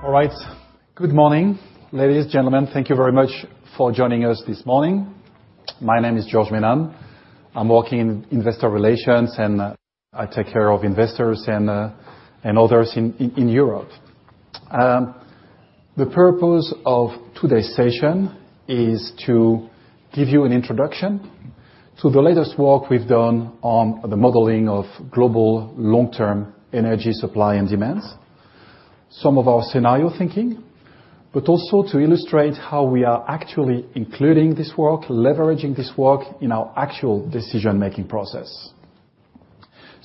All right. Good morning, ladies, gentlemen. Thank you very much for joining us this morning. My name is George Milan. I'm working in investor relations, and I take care of investors and others in Europe. The purpose of today's session is to give you an introduction to the latest work we've done on the modeling of global long-term energy supply and demands, some of our scenario thinking, but also to illustrate how we are actually including this work, leveraging this work in our actual decision-making process.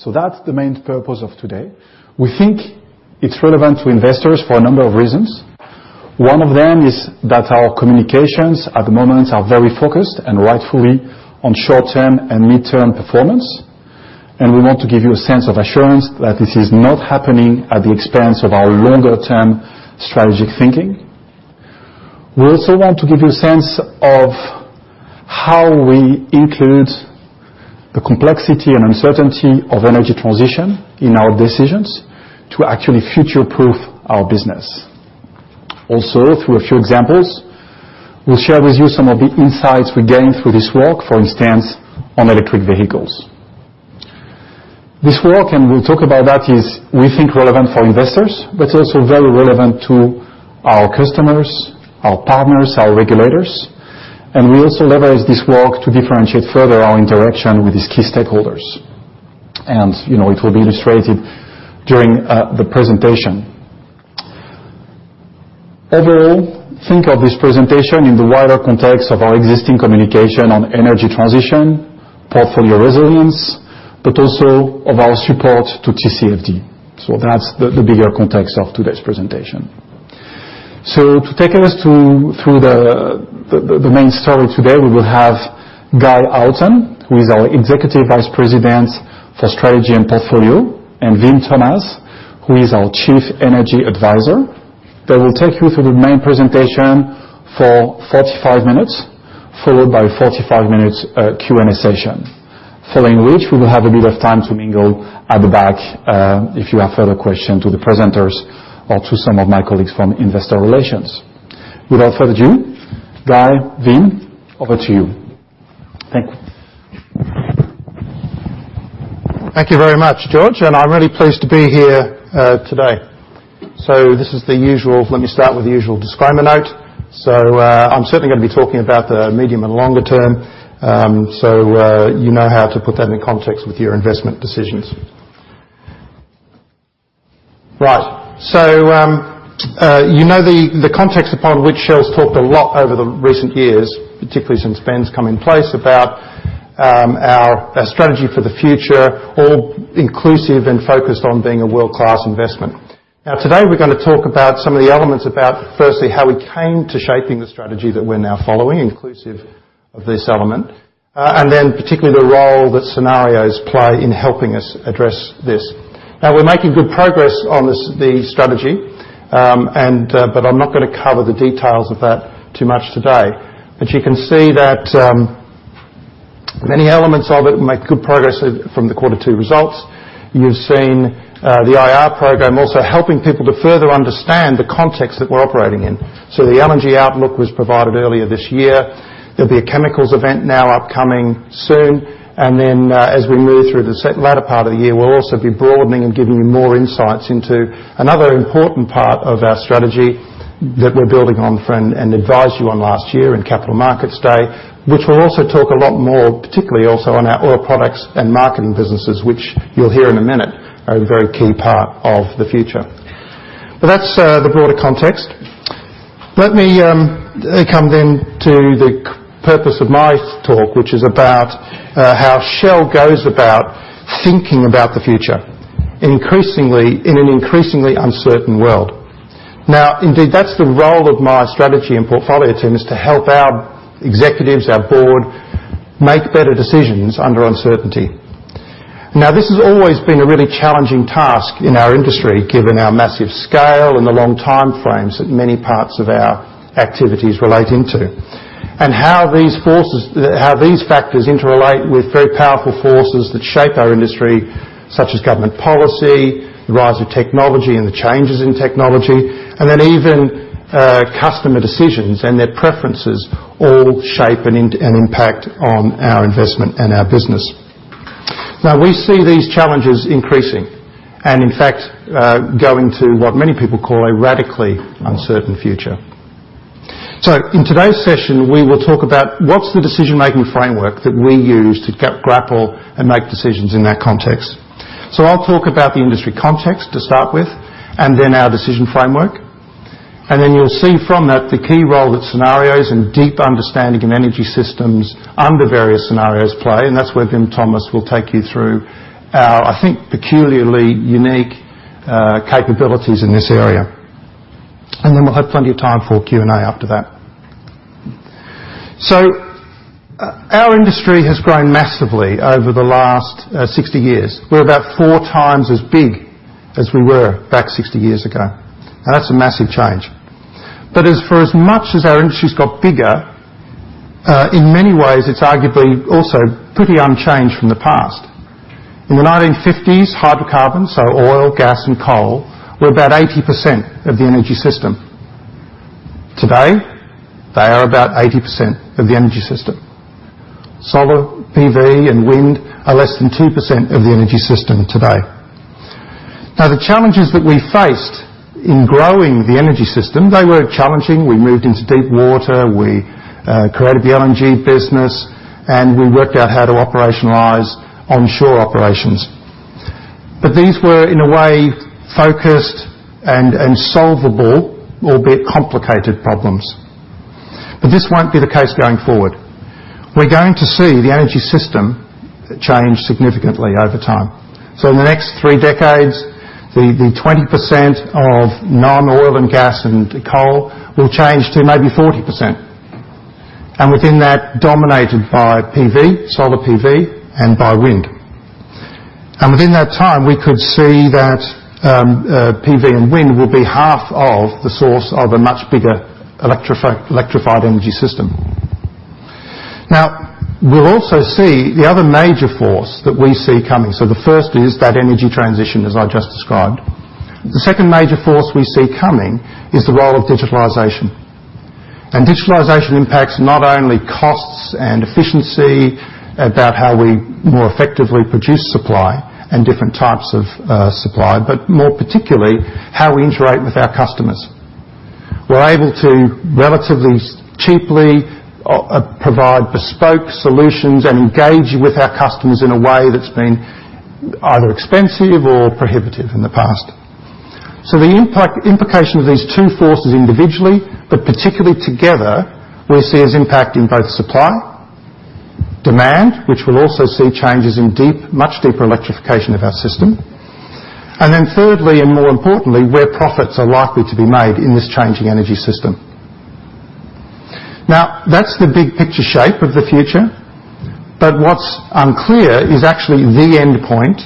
That's the main purpose of today. We think it's relevant to investors for a number of reasons. One of them is that our communications at the moment are very focused, and rightfully, on short-term and mid-term performance. We want to give you a sense of assurance that this is not happening at the expense of our longer term strategic thinking. We also want to give you a sense of how we include the complexity and uncertainty of energy transition in our decisions to actually future-proof our business. Also, through a few examples, we'll share with you some of the insights we gained through this work, for instance, on electric vehicles. This work, and we'll talk about that, is we think relevant for investors, but also very relevant to our customers, our partners, our regulators. We also leverage this work to differentiate further our interaction with these key stakeholders. It will be illustrated during the presentation. Overall, think of this presentation in the wider context of our existing communication on energy transition, portfolio resilience, but also of our support to TCFD. That's the bigger context of today's presentation. To take us through the main story today, we will have Guy Outen, who is our Executive Vice President for Strategy and Portfolio, and Wim Thomas, who is our Chief Energy Advisor. They will take you through the main presentation for 45 minutes, followed by 45 minutes Q&A session. Following which, we will have a bit of time to mingle at the back, if you have further question to the presenters or to some of my colleagues from investor relations. Without further ado, Guy, Wim, over to you. Thank you. Thank you very much, George, and I'm really pleased to be here today. Let me start with the usual disclaimer note. I'm certainly going to be talking about the medium and longer term, so you know how to put that in context with your investment decisions. Right. You know the context upon which Shell's talked a lot over the recent years, particularly since Ben's come in place, about our strategy for the future, all inclusive and focused on being a world-class investment. Now today, we're going to talk about some of the elements about, firstly, how we came to shaping the strategy that we're now following, inclusive of this element, and then particularly the role that scenarios play in helping us address this. We're making good progress on the strategy, but I'm not going to cover the details of that too much today. You can see that many elements of it make good progress from the Quarter 2 results. You've seen the IR program also helping people to further understand the context that we're operating in. The LNG outlook was provided earlier this year. There'll be a chemicals event upcoming soon. As we move through the latter part of the year, we'll also be broadening and giving you more insights into another important part of our strategy that we're building on, and advised you on last year in Capital Markets Day, which we'll also talk a lot more, particularly also on our oil products and marketing businesses, which you'll hear in a minute, are a very key part of the future. That's the broader context. Let me come to the purpose of my talk, which is about how Shell goes about thinking about the future in an increasingly uncertain world. Indeed, that's the role of my strategy and portfolio team, is to help our executives, our board, make better decisions under uncertainty. This has always been a really challenging task in our industry, given our massive scale and the long time frames that many parts of our activities relate into. How these factors interrelate with very powerful forces that shape our industry, such as government policy, the rise of technology and the changes in technology, and even customer decisions and their preferences all shape and impact on our investment and our business. We see these challenges increasing and, in fact, going to what many people call a radically uncertain future. In today's session, we will talk about what's the decision-making framework that we use to grapple and make decisions in that context. I'll talk about the industry context to start with, and our decision framework. You'll see from that the key role that scenarios and deep understanding in energy systems under various scenarios play, and that's where Wim Thomas will take you through our, I think, peculiarly unique capabilities in this area. We'll have plenty of time for Q&A after that. Our industry has grown massively over the last 60 years. We're about four times as big as we were back 60 years ago. That's a massive change. For as much as our industry's got bigger. In many ways, it's arguably also pretty unchanged from the past. In the 1950s, hydrocarbons, oil, gas, and coal, were about 80% of the energy system. Today, they are about 80% of the energy system. Solar PV and wind are less than 2% of the energy system today. The challenges that we faced in growing the energy system, they were challenging. We moved into deep water, we created the LNG business, and we worked out how to operationalize onshore operations. These were, in a way, focused and solvable, albeit complicated problems. This won't be the case going forward. We're going to see the energy system change significantly over time. In the next three decades, the 20% of non-oil and gas and coal will change to maybe 40%, and within that, dominated by Solar PV and by wind. Within that time, we could see that PV and wind will be half of the source of a much bigger electrified energy system. We'll also see the other major force that we see coming. The first is that energy transition, as I just described. The second major force we see coming is the role of digitalization. Digitalization impacts not only costs and efficiency about how we more effectively produce supply and different types of supply, but more particularly, how we interact with our customers. We're able to relatively cheaply provide bespoke solutions and engage with our customers in a way that's been either expensive or prohibitive in the past. The implication of these two forces individually, but particularly together, we see as impacting both supply, demand, which will also see changes in much deeper electrification of our system, and thirdly, and more importantly, where profits are likely to be made in this changing energy system. That's the big picture shape of the future. What's unclear is actually the endpoint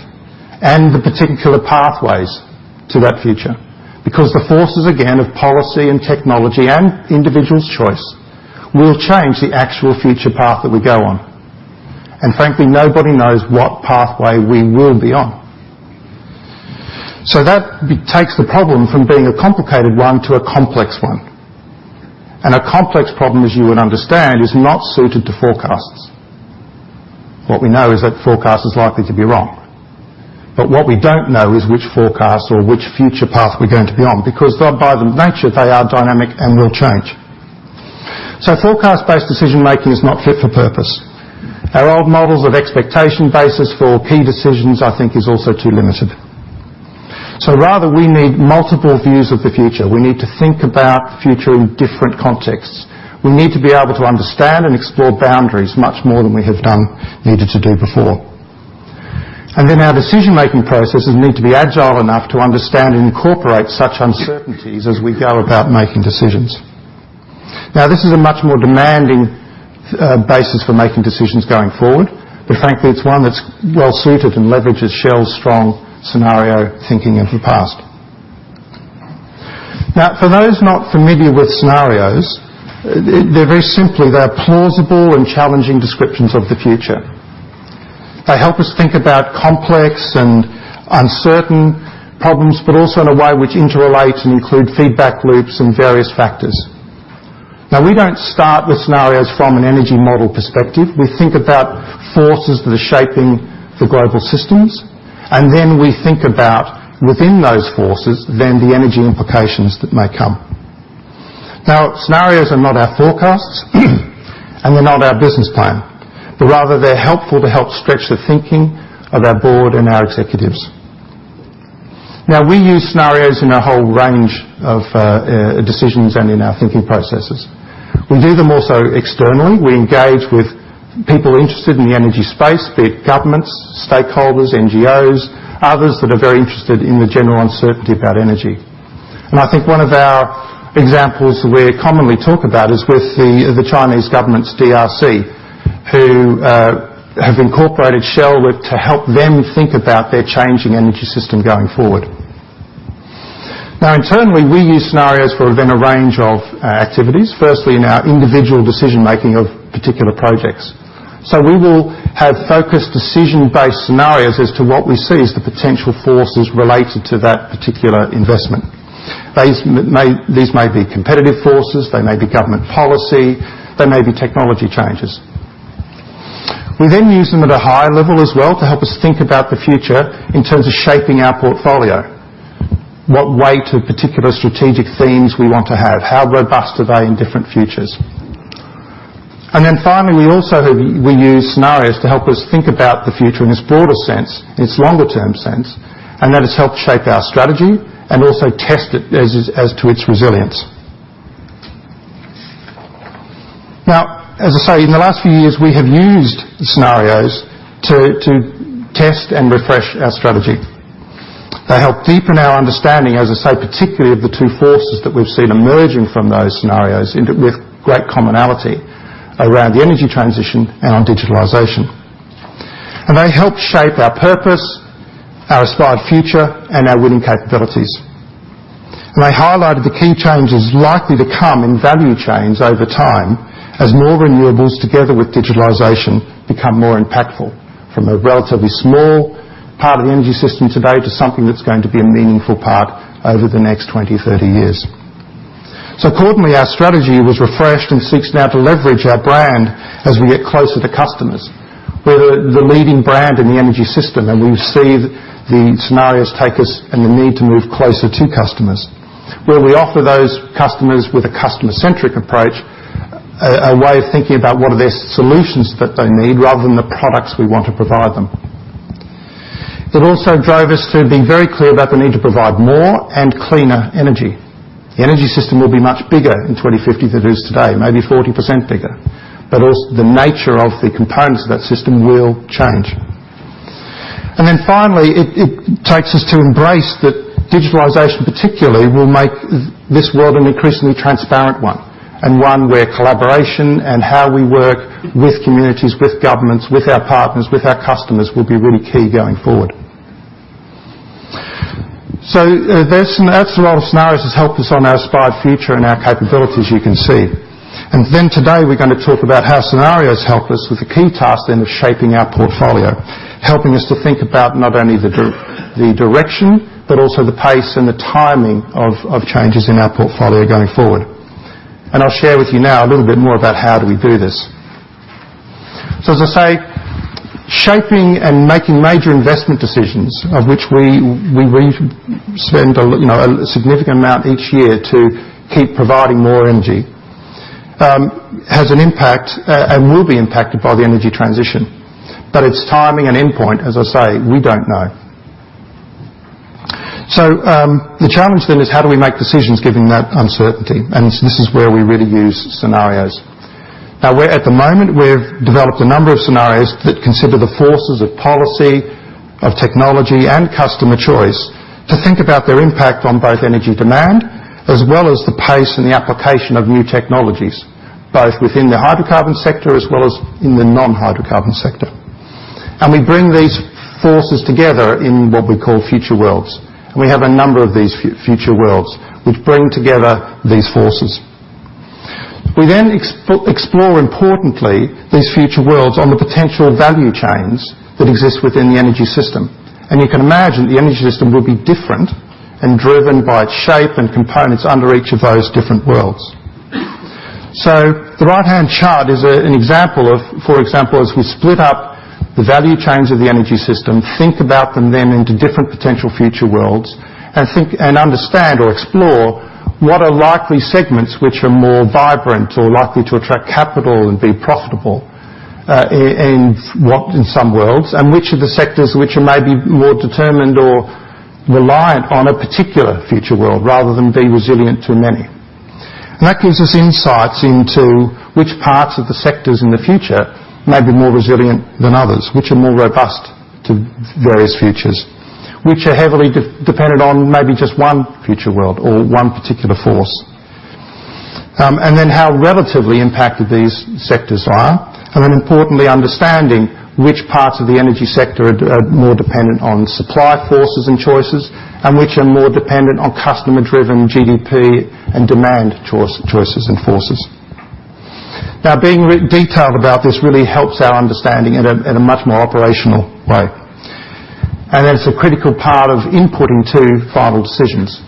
and the particular pathways to that future, because the forces, again, of policy and technology and individual's choice will change the actual future path that we go on. Frankly, nobody knows what pathway we will be on. That takes the problem from being a complicated one to a complex one. A complex problem, as you would understand, is not suited to forecasts. What we know is that forecast is likely to be wrong. What we don't know is which forecast or which future path we're going to be on, because by their nature, they are dynamic and will change. Forecast-based decision-making is not fit for purpose. Our old models of expectation basis for key decisions, I think is also too limited. Rather, we need multiple views of the future. We need to think about future in different contexts. We need to be able to understand and explore boundaries much more than we have done, needed to do before. Our decision-making processes need to be agile enough to understand and incorporate such uncertainties as we go about making decisions. This is a much more demanding basis for making decisions going forward. Frankly, it's one that's well suited and leverages Shell's strong scenario thinking of the past. For those not familiar with scenarios, they're very simple. They are plausible and challenging descriptions of the future. They help us think about complex and uncertain problems, but also in a way which interrelate and include feedback loops and various factors. We don't start with scenarios from an energy model perspective. We think about forces that are shaping the global systems, we think about within those forces, then the energy implications that may come. Scenarios are not our forecasts and they're not our business plan. Rather, they're helpful to help stretch the thinking of our board and our executives. We use scenarios in a whole range of decisions and in our thinking processes. We do them also externally. We engage with people interested in the energy space, be it governments, stakeholders, NGOs, others that are very interested in the general uncertainty about energy. I think one of our examples we commonly talk about is with the Chinese government's DRC, who have incorporated Shell to help them think about their changing energy system going forward. Internally, we use scenarios for then a range of activities. Firstly, in our individual decision-making of particular projects. We will have focused decision-based scenarios as to what we see as the potential forces related to that particular investment. These may be competitive forces, they may be government policy, they may be technology changes. We then use them at a higher level as well to help us think about the future in terms of shaping our portfolio. What weight of particular strategic themes we want to have? How robust are they in different futures? Finally, we also use scenarios to help us think about the future in its broader sense, in its longer-term sense, and that has helped shape our strategy and also test it as to its resilience. As I say, in the last few years, we have used scenarios to test and refresh our strategy. They help deepen our understanding, as I say, particularly of the two forces that we've seen emerging from those scenarios with great commonality around the energy transition and on digitalization. They help shape our purpose, our aspired future, and our winning capabilities. They highlighted the key changes likely to come in value chains over time as more renewables together with digitalization become more impactful, from a relatively small part of the energy system today to something that's going to be a meaningful part over the next 20, 30 years. Accordingly, our strategy was refreshed and seeks now to leverage our brand as we get closer to customers. We're the leading brand in the energy system, and we see the scenarios take us and the need to move closer to customers, where we offer those customers with a customer-centric approach, a way of thinking about what are the solutions that they need rather than the products we want to provide them. It also drove us to be very clear about the need to provide more and cleaner energy. The energy system will be much bigger in 2050 than it is today, maybe 40% bigger. Also, the nature of the components of that system will change. Finally, it takes us to embrace that digitalization particularly will make this world an increasingly transparent one, and one where collaboration and how we work with communities, with governments, with our partners, with our customers will be really key going forward. That's the role scenarios has helped us on our aspired future and our capabilities, you can see. Today, we're going to talk about how scenarios help us with the key task then of shaping our portfolio, helping us to think about not only the direction, but also the pace and the timing of changes in our portfolio going forward. I'll share with you now a little bit more about how do we do this. As I say, shaping and making major investment decisions, of which we spend a significant amount each year to keep providing more energy, has an impact and will be impacted by the energy transition. Its timing and endpoint, as I say, we don't know. The challenge then is how do we make decisions given that uncertainty? This is where we really use scenarios. We're at the moment, we've developed a number of scenarios that consider the forces of policy, of technology, and customer choice, to think about their impact on both energy demand as well as the pace and the application of new technologies, both within the hydrocarbon sector as well as in the non-hydrocarbon sector. We bring these forces together in what we call future worlds. We have a number of these future worlds which bring together these forces. We then explore, importantly, these future worlds on the potential value chains that exist within the energy system. You can imagine the energy system will be different and driven by its shape and components under each of those different worlds. The right-hand chart is an example of, for example, as we split up the value chains of the energy system, think about them then into different potential future worlds, and think and understand or explore what are likely segments which are more vibrant or likely to attract capital and be profitable in what in some worlds, and which are the sectors which are maybe more determined or reliant on a particular future world rather than being resilient to many. That gives us insights into which parts of the sectors in the future may be more resilient than others, which are more robust to various futures, which are heavily dependent on maybe just one future world or one particular force. How relatively impacted these sectors are, and then importantly, understanding which parts of the energy sector are more dependent on supply forces and choices, and which are more dependent on customer-driven GDP and demand choices and forces. Being detailed about this really helps our understanding in a much more operational way. Then it's a critical part of inputting to final decisions.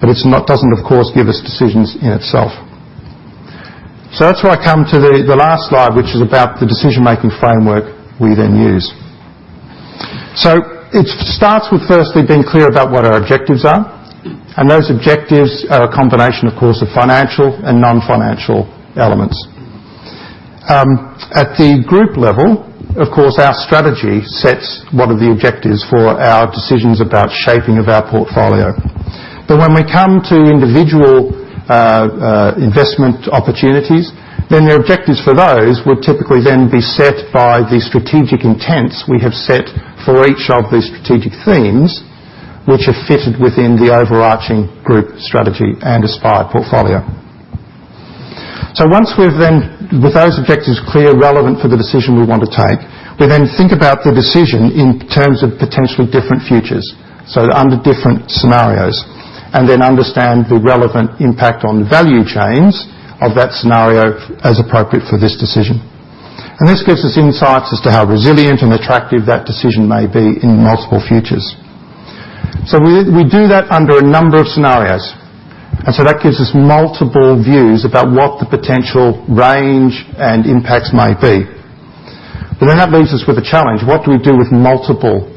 It doesn't, of course, give us decisions in itself. That's where I come to the last slide, which is about the decision-making framework we then use. It starts with firstly being clear about what our objectives are. Those objectives are a combination, of course, of financial and non-financial elements. At the group level, of course, our strategy sets what are the objectives for our decisions about shaping of our portfolio. When we come to individual investment opportunities, the objectives for those would typically then be set by the strategic intents we have set for each of the strategic themes, which are fitted within the overarching group strategy and aspired portfolio. Once we've With those objectives clear, relevant for the decision we want to take, we then think about the decision in terms of potentially different futures, so under different scenarios, and then understand the relevant impact on value chains of that scenario as appropriate for this decision. This gives us insights as to how resilient and attractive that decision may be in multiple futures. We do that under a number of scenarios. That gives us multiple views about what the potential range and impacts might be. That leaves us with a challenge. What do we do with multiple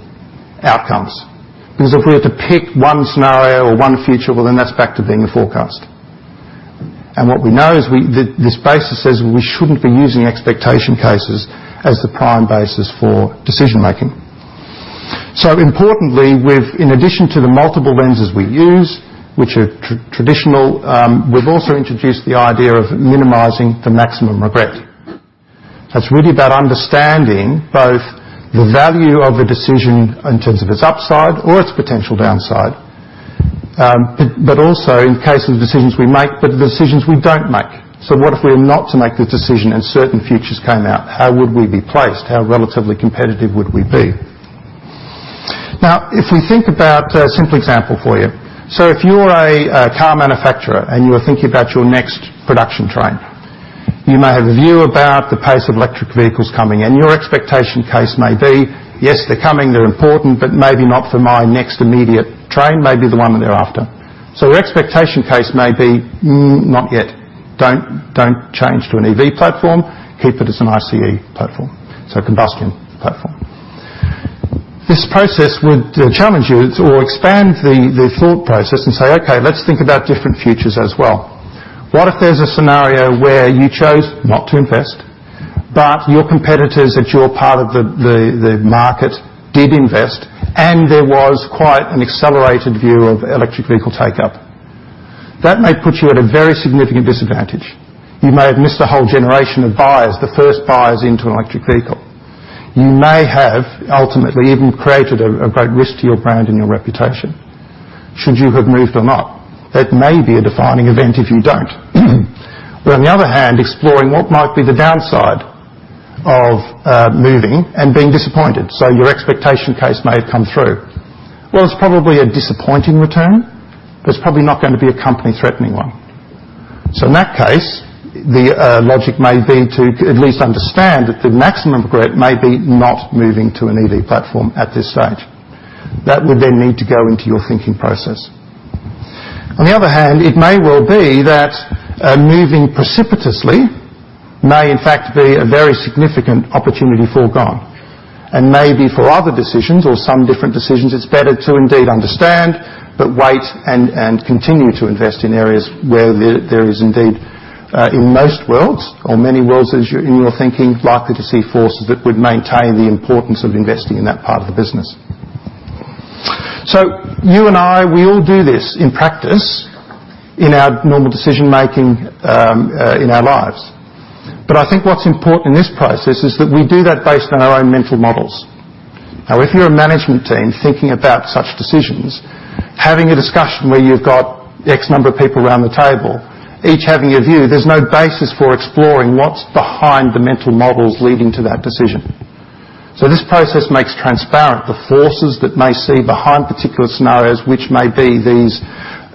outcomes? Because if we have to pick one scenario or one future, that's back to being a forecast. What we know is this basis says we shouldn't be using expectation cases as the prime basis for decision making. Importantly, we've, in addition to the multiple lenses we use, which are traditional, we've also introduced the idea of minimizing the maximum regret. That's really about understanding both the value of a decision in terms of its upside or its potential downside. Also in cases, decisions we make, but the decisions we don't make. What if we are not to make the decision and certain futures came out? How would we be placed? How relatively competitive would we be? If we think about a simple example for you. If you're a car manufacturer and you are thinking about your next production train. You may have a view about the pace of electric vehicles coming in. Your expectation case may be, yes, they're coming, they're important, but maybe not for my next immediate train, maybe the one thereafter. Your expectation case may be, not yet. Don't change to an EV platform, keep it as an ICE platform. Combustion platform. This process would challenge you or expand the thought process and say, "Okay, let's think about different futures as well." What if there's a scenario where you chose not to invest, but your competitors at your part of the market did invest, and there was quite an accelerated view of electric vehicle take-up? That may put you at a very significant disadvantage. You may have missed a whole generation of buyers, the first buyers into an electric vehicle. You may have ultimately even created a great risk to your brand and your reputation. Should you have moved or not? That may be a defining event if you don't. On the other hand, exploring what might be the downside of moving and being disappointed. Your expectation case may have come through. It's probably a disappointing return, but it's probably not going to be a company-threatening one. In that case, the logic may be to at least understand that the maximum regret may be not moving to an EV platform at this stage. That would then need to go into your thinking process. On the other hand, it may well be that moving precipitously may in fact be a very significant opportunity foregone, and maybe for other decisions or some different decisions, it's better to indeed understand but wait and continue to invest in areas where there is indeed, in most worlds or many worlds in your thinking, likely to see forces that would maintain the importance of investing in that part of the business. You and I, we all do this in practice, in our normal decision-making, in our lives. I think what's important in this process is that we do that based on our own mental models. If you're a management team thinking about such decisions, having a discussion where you've got X number of people around the table, each having a view, there's no basis for exploring what's behind the mental models leading to that decision. This process makes transparent the forces that may sit behind particular scenarios, which may be these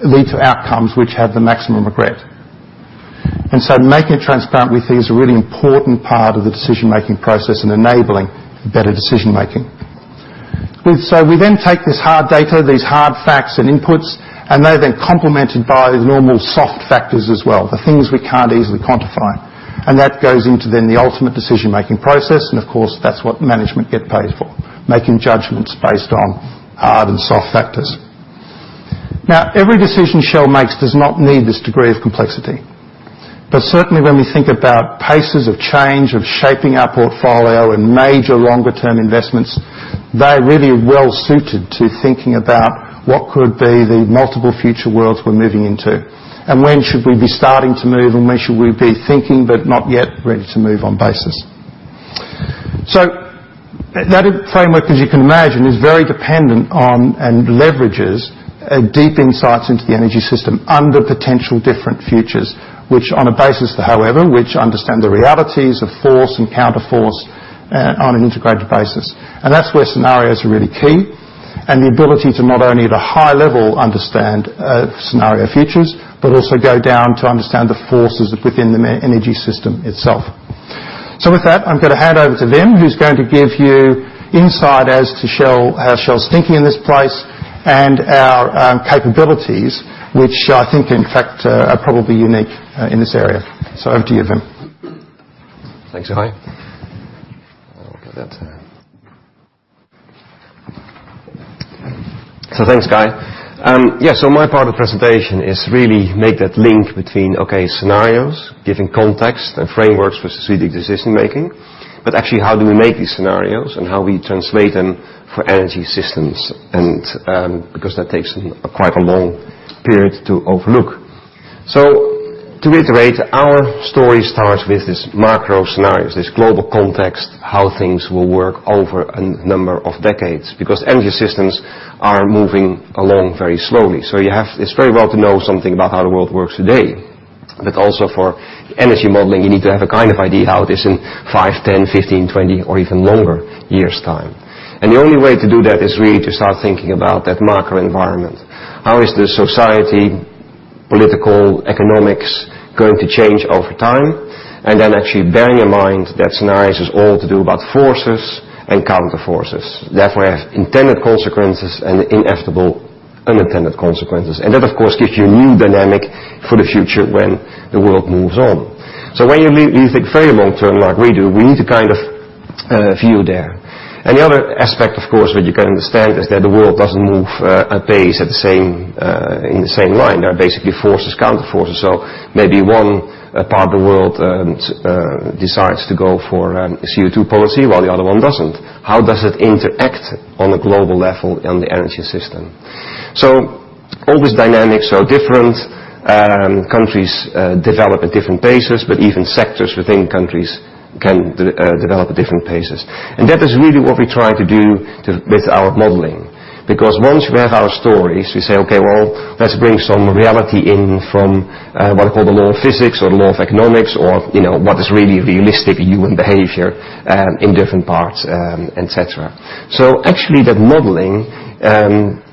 lead to outcomes which have the maximum regret. Making it transparent we think is a really important part of the decision-making process and enabling better decision-making. We then take this hard data, these hard facts and inputs, and they're then complemented by the normal soft factors as well, the things we can't easily quantify. That goes into then the ultimate decision-making process, and of course, that's what management get paid for, making judgments based on hard and soft factors. Every decision Shell makes does not need this degree of complexity. Certainly when we think about paces of change, of shaping our portfolio and major longer-term investments, they're really well suited to thinking about what could be the multiple future worlds we're moving into. When should we be starting to move and when should we be thinking but not yet ready to move on basis. That framework, as you can imagine, is very dependent on and leverages deep insights into the energy system under potential different futures, which on a basis to however, which understand the realities of force and counterforce on an integrated basis. That's where scenarios are really key, and the ability to not only at a high level understand scenario futures, but also go down to understand the forces within the energy system itself. With that, I'm going to hand over to Wim, who's going to give you insight as to how Shell's thinking in this place and our capabilities, which I think in fact are probably unique in this area. Over to you, Wim. Thanks, Guy. I'll get that. Thanks, Guy. My part of the presentation is really make that link between, okay, scenarios, giving context and frameworks for strategic decision-making. Actually, how do we make these scenarios and how we translate them for energy systems? Because that takes quite a long period to overlook. To reiterate, our story starts with these macro scenarios, this global context, how things will work over a number of decades, because energy systems are moving along very slowly. It's very well to know something about how the world works today. Also for energy modeling, you need to have a kind of idea how it is in five, 10, 15, 20, or even longer years' time. The only way to do that is really to start thinking about that macro environment. How is the society, political, economics going to change over time? Actually bearing in mind that scenarios is all to do about forces and counterforces. You have intended consequences and inevitable unintended consequences. That, of course, gives you a new dynamic for the future when the world moves on. When you think very long term, like we do, we need to kind of view there. The other aspect, of course, that you can understand is that the world doesn't move apace in the same line. There are basically forces, counterforces. Maybe one part of the world decides to go for a CO2 policy while the other one doesn't. How does it interact on a global level in the energy system? All these dynamics are different. Countries develop at different paces, but even sectors within countries can develop at different paces. That is really what we try to do with our modeling, because once we have our stories, we say, okay, well, let's bring some reality in from what I call the law of physics or the law of economics, or what is really realistic human behavior in different parts, et cetera. Actually, that modeling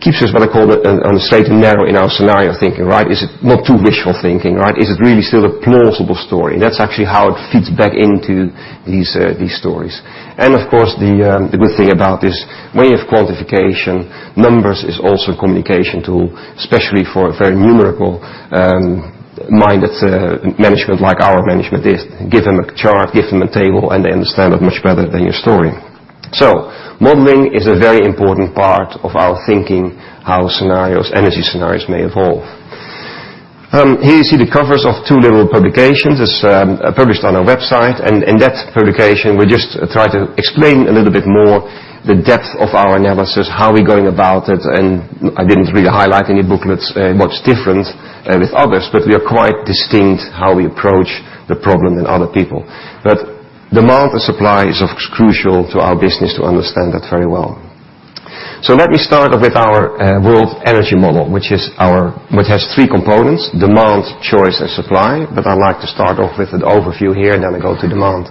keeps us what I call on the straight and narrow in our scenario thinking, right? Is it not too wishful thinking, right? Is it really still a plausible story? That's actually how it feeds back into these stories. Of course, the good thing about this way of quantification, numbers is also a communication tool, especially for a very numerical-minded management like our management is. Give them a chart, give them a table, and they understand it much better than your story. Modeling is a very important part of our thinking how energy scenarios may evolve. Here you see the covers of two little publications. It's published on our website, in that publication, we just try to explain a little bit more the depth of our analysis, how we're going about it, I didn't really highlight any booklets, much different with others, we are quite distinct how we approach the problem than other people. Demand and supply is crucial to our business to understand that very well. Let me start with our World Energy Model, which has three components, demand, choice, and supply, I'd like to start off with an overview here, then I go to demand.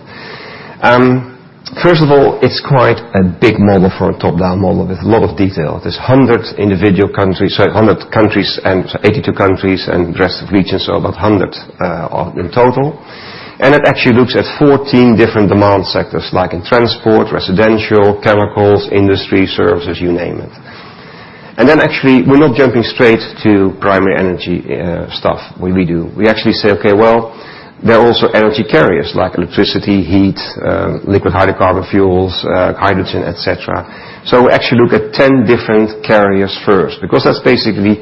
First of all, it's quite a big model for a top-down model with a lot of detail. There's 100 individual countries, 100 countries and 82 countries and the rest of regions, about 100 in total. It actually looks at 14 different demand sectors, like in transport, residential, chemicals, industry, services, you name it. Actually, we're not jumping straight to primary energy stuff. Well, we do. We actually say, okay, well, there are also energy carriers like electricity, heat, liquid hydrocarbon fuels, hydrogen, et cetera. We actually look at 10 different carriers first, because that's basically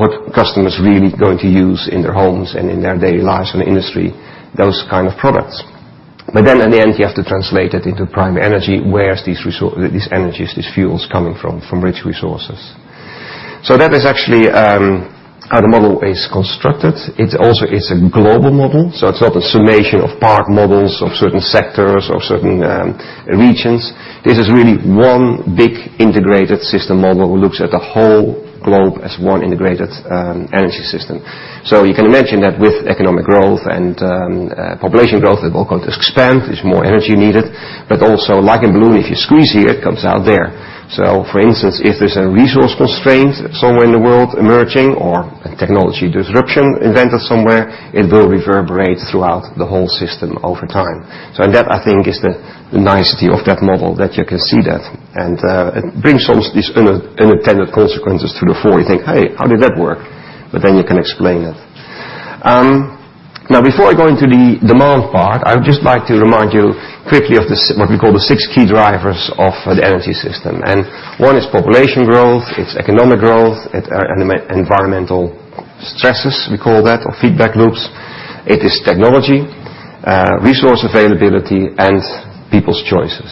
what customers are really going to use in their homes and in their daily lives in the industry, those kind of products. Then in the end, you have to translate it into prime energy, where these energies, these fuels, coming from which resources. That is actually how the model is constructed. It's a global model. It's not a summation of part models of certain sectors, of certain regions. This is really one big integrated system model that looks at the whole globe as one integrated energy system. You can imagine that with economic growth and population growth, they're both going to expand. There's more energy needed. Also, like a balloon, if you squeeze here, it comes out there. For instance, if there's a resource constraint somewhere in the world emerging or a technology disruption invented somewhere, it will reverberate throughout the whole system over time. That, I think, is the nicety of that model, that you can see that, and it brings all these unintended consequences to the fore. You think, hey, how did that work? Then you can explain it. Before I go into the demand part, I would just like to remind you quickly of what we call the six key drivers of the energy system. One is population growth, it's economic growth, environmental stresses, we call that, or feedback loops. It is technology, resource availability, and people's choices.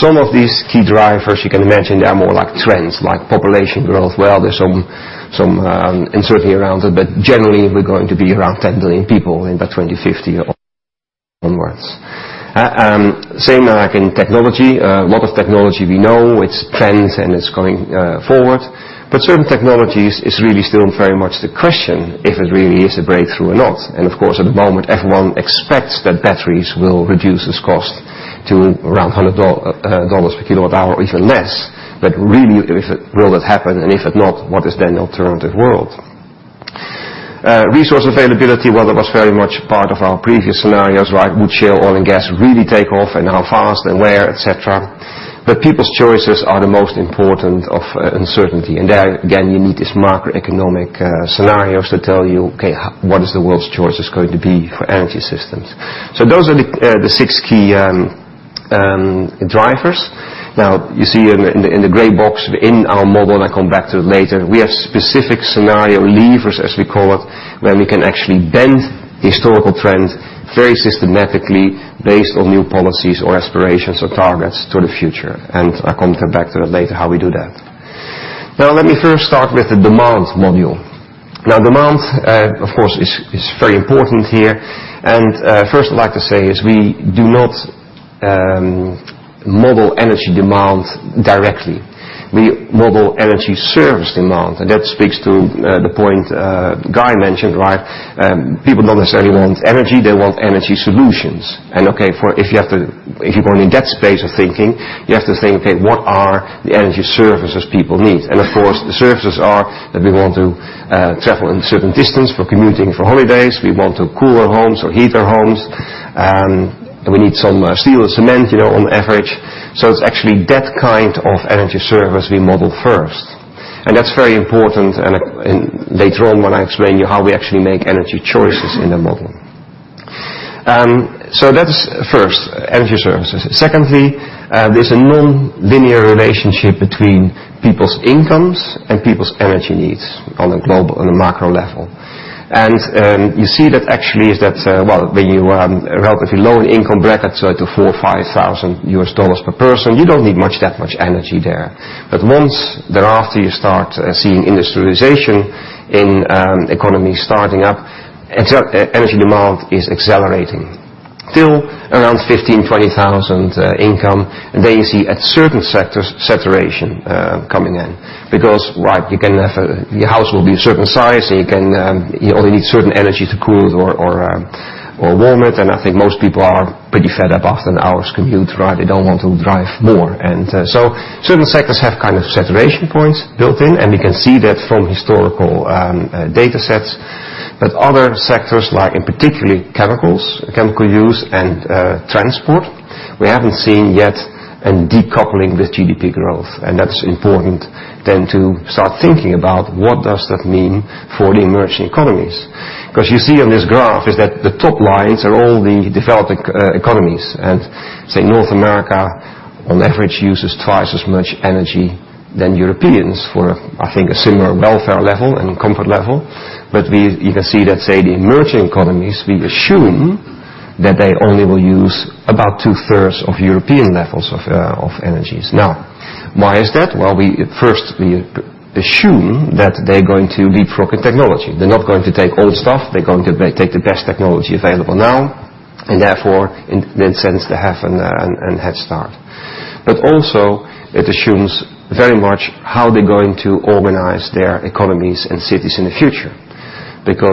Some of these key drivers you can imagine they are more like trends, like population growth. Well, there's some uncertainty around it, but generally, we're going to be around 10 billion people in the 2050 onwards. Same like in technology. A lot of technology we know, it's trends and it's going forward. Certain technologies, it's really still very much the question if it really is a breakthrough or not. Of course, at the moment, everyone expects that batteries will reduce its cost to around $100 per kilowatt hour or even less. Really, will it happen? If not, what is then the alternative world? Resource availability, well, that was very much part of our previous scenarios, like would Shell Oil and Gas really take off and how fast and where, et cetera. People's choices are the most important of uncertainty. There again, you need these macroeconomic scenarios to tell you, okay, what is the world's choices going to be for energy systems? Those are the six key drivers. You see in the gray box in our model, and I'll come back to it later, we have specific scenario levers, as we call it, where we can actually bend historical trends very systematically based on new policies or aspirations or targets to the future. I'll come back to that later, how we do that. Let me first start with the demands module. Demand, of course, is very important here. First I'd like to say is we do not model energy demand directly. We model energy service demand, and that speaks to the point Guy mentioned, right? People don't necessarily want energy. They want energy solutions. Okay, if you go in that space of thinking, you have to think, okay, what are the energy services people need? Of course, the services are that we want to travel in certain distance for commuting, for holidays. We want to cool our homes or heat our homes. We need some steel or cement on average. It's actually that kind of energy service we model first, and that's very important later on when I explain to you how we actually make energy choices in the model. That is first, energy services. Secondly, there's a nonlinear relationship between people's incomes and people's energy needs on a macro level. You see that actually is that, well, when you are in a relatively low income bracket, so to $4,000, $5,000 per person, you don't need much that much energy there. Once thereafter you start seeing industrialization in economies starting up, energy demand is accelerating. Till around 15,000, 20,000 income, then you see at certain sectors, saturation coming in. Your house will be a certain size, and you only need certain energy to cool it or warm it. I think most people are pretty fed up after an hour's commute. They don't want to drive more. Certain sectors have saturation points built in, and we can see that from historical data sets. Other sectors like in particularly chemicals, chemical use and transport, we haven't seen yet a decoupling with GDP growth. That's important then to start thinking about what does that mean for the emerging economies. You see on this graph is that the top lines are all the developed economies and say North America on average uses twice as much energy than Europeans for, I think a similar welfare level and comfort level. You can see that, say the emerging economies, we assume that they only will use about two-thirds of European levels of energies. Why is that? Well, first, we assume that they're going to leapfrog a technology. They're not going to take old stuff. They're going to take the best technology available now, and therefore, in a sense, they have a head start. Also it assumes very much how they're going to organize their economies and cities in the future.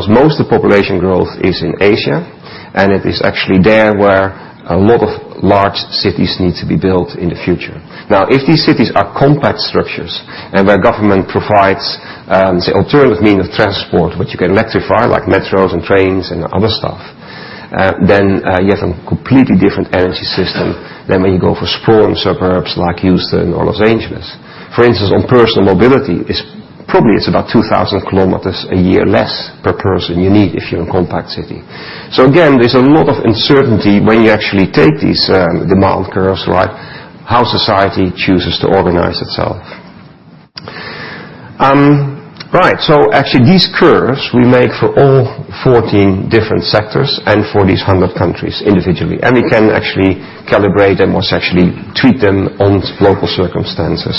Most of the population growth is in Asia, and it is actually there where a lot of large cities need to be built in the future. If these cities are compact structures and where government provides, say, alternative means of transport, which you can electrify, like metros and trains and other stuff, then you have a completely different energy system than when you go for sprawl and suburbs like Houston or Los Angeles. For instance, on personal mobility, probably it's about 2,000 kilometers a year less per person you need if you're a compact city. Again, there's a lot of uncertainty when you actually take these demand curves, how society chooses to organize itself. Actually these curves we make for all 14 different sectors and for these 100 countries individually, and we can actually calibrate them or actually treat them on local circumstances.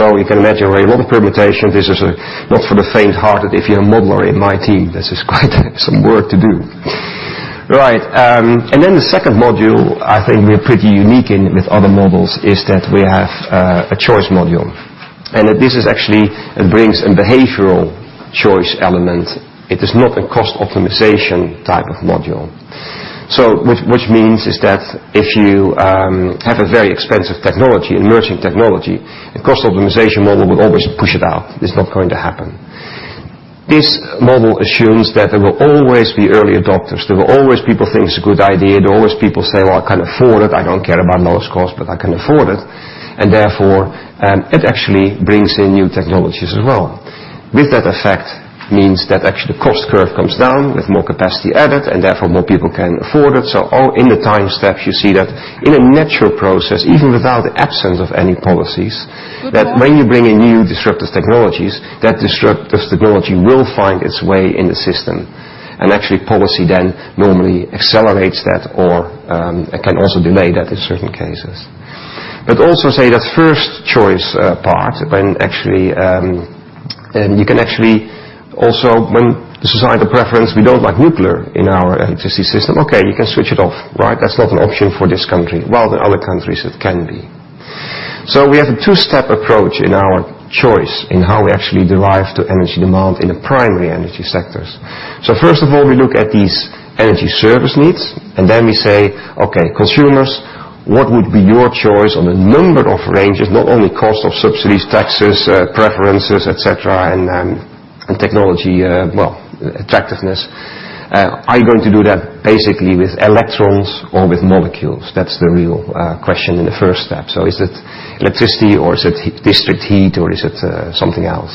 You can imagine a lot of permutations. This is not for the faint-hearted. If you're a modeler in my team, this is quite some work to do. Then the second module, I think we are pretty unique in with other models, is that we have a choice module. That it brings a behavioral choice element. It is not a cost optimization type of module. Which means is that if you have a very expensive technology, emerging technology, a cost optimization model will always push it out. It's not going to happen. This model assumes that there will always be early adopters. There will always people think it's a good idea. There are always people say, "Well, I can afford it. I don't care about lowest cost, but I can afford it." Therefore, it actually brings in new technologies as well. With that effect means that actually the cost curve comes down with more capacity added, and therefore more people can afford it. All in the time steps, you see that in a natural process, even without the absence of any policies, that when you bring in new disruptive technologies, that disruptive technology will find its way in the system. Actually policy then normally accelerates that or it can also delay that in certain cases. Also say that first choice part when actually you can actually also when the societal preference, we don't like nuclear in our electricity system. Okay, you can switch it off. That's not an option for this country. Well, in other countries it can be. We have a two-step approach in our choice in how we actually derive the energy demand in the primary energy sectors. First of all, we look at these energy service needs, and then we say, "Okay, consumers, what would be your choice on a number of ranges, not only cost of subsidies, taxes, preferences, et cetera, and technology attractiveness. Are you going to do that basically with electrons or with molecules?" That Good morning. That's the real question in the first step. Is it electricity or is it district heat, or is it something else?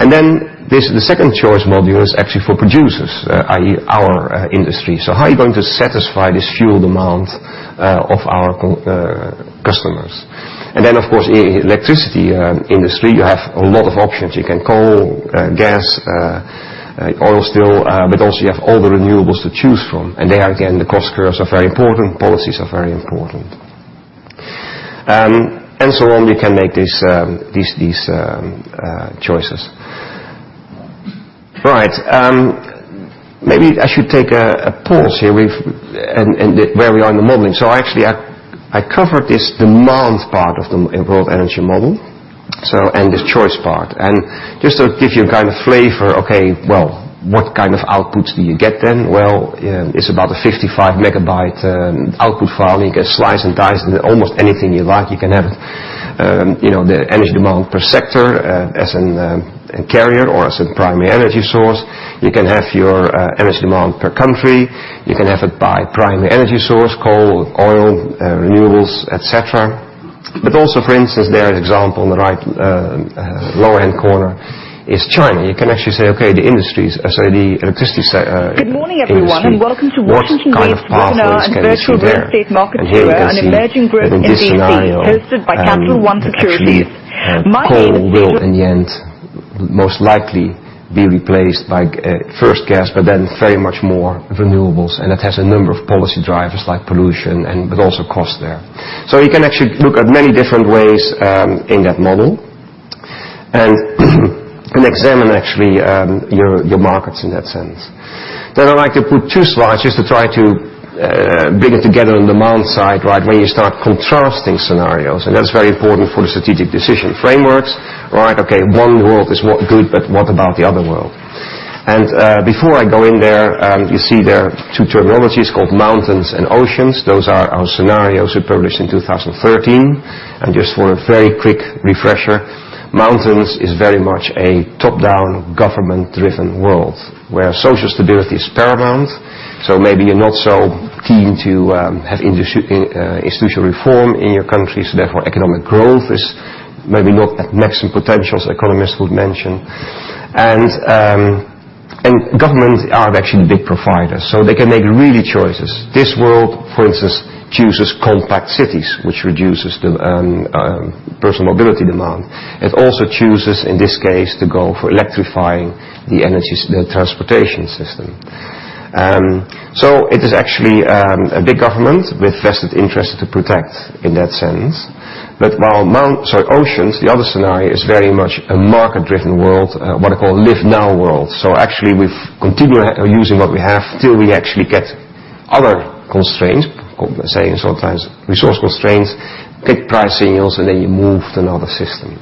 Then the second choice module is actually for producers, i.e. our industry. How are you going to satisfy this fuel demand of our customers? Then of course, electricity industry, you have a lot of options. You can coal, gas, oil still, but also you have all the renewables to choose from. There again, the cost curves are very important, policies are very important. We can make these choices. Maybe I should take a pause here and where we are in the modeling. Actually I covered this demand part of the World Energy Model, and this choice part. Just to give you a kind of flavor, okay, well, what kind of outputs do you get then? Well, it's about a 55 megabyte output file. You can slice and dice into almost anything you like. You can have the energy demand per sector as in a carrier or as a primary energy source. You can have your energy demand per country. You can have it by primary energy source, coal, oil, renewables, et cetera. Also, for instance, there an example on the right lower-hand corner is China. You can actually say, okay, the industries, so the electricity industry- Good morning, everyone, and welcome to Washington Grace Webinar and Virtual Real Estate Market Viewer, an emerging group in D.C. hosted by Capital One Securities. My name is- What kind of pathways can we see there? Here you can see that in this scenario, actually coal will in the end most likely be replaced by first gas, but then very much more renewables. That has a number of policy drivers like pollution but also cost there. You can actually look at many different ways in that model and examine actually your markets in that sense. I like to put two slides just to try to bring it together on the demand side, right when you start contrasting scenarios. That's very important for the strategic decision frameworks, right? Okay, one world is not good, but what about the other world? Before I go in there, you see there two terminologies called Mountains and Oceans. Those are our scenarios we published in 2013. Just for a very quick refresher, Mountains is very much a top-down government-driven world where social stability is paramount. Maybe you're not so keen to have institutional reform in your country, so therefore, economic growth is maybe not at maximum potential as economists would mention. Governments are actually big providers, so they can make really choices. This world, for instance, chooses compact cities, which reduces the personal mobility demand. It also chooses, in this case, to go for electrifying the transportation system. It is actually a big government with vested interest to protect in that sense. While Oceans, the other scenario, is very much a market-driven world, what I call live now world. Actually, we've continued using what we have till we actually get other constraints. Let's say in sometimes resource constraints, pick price signals, and then you move to another system.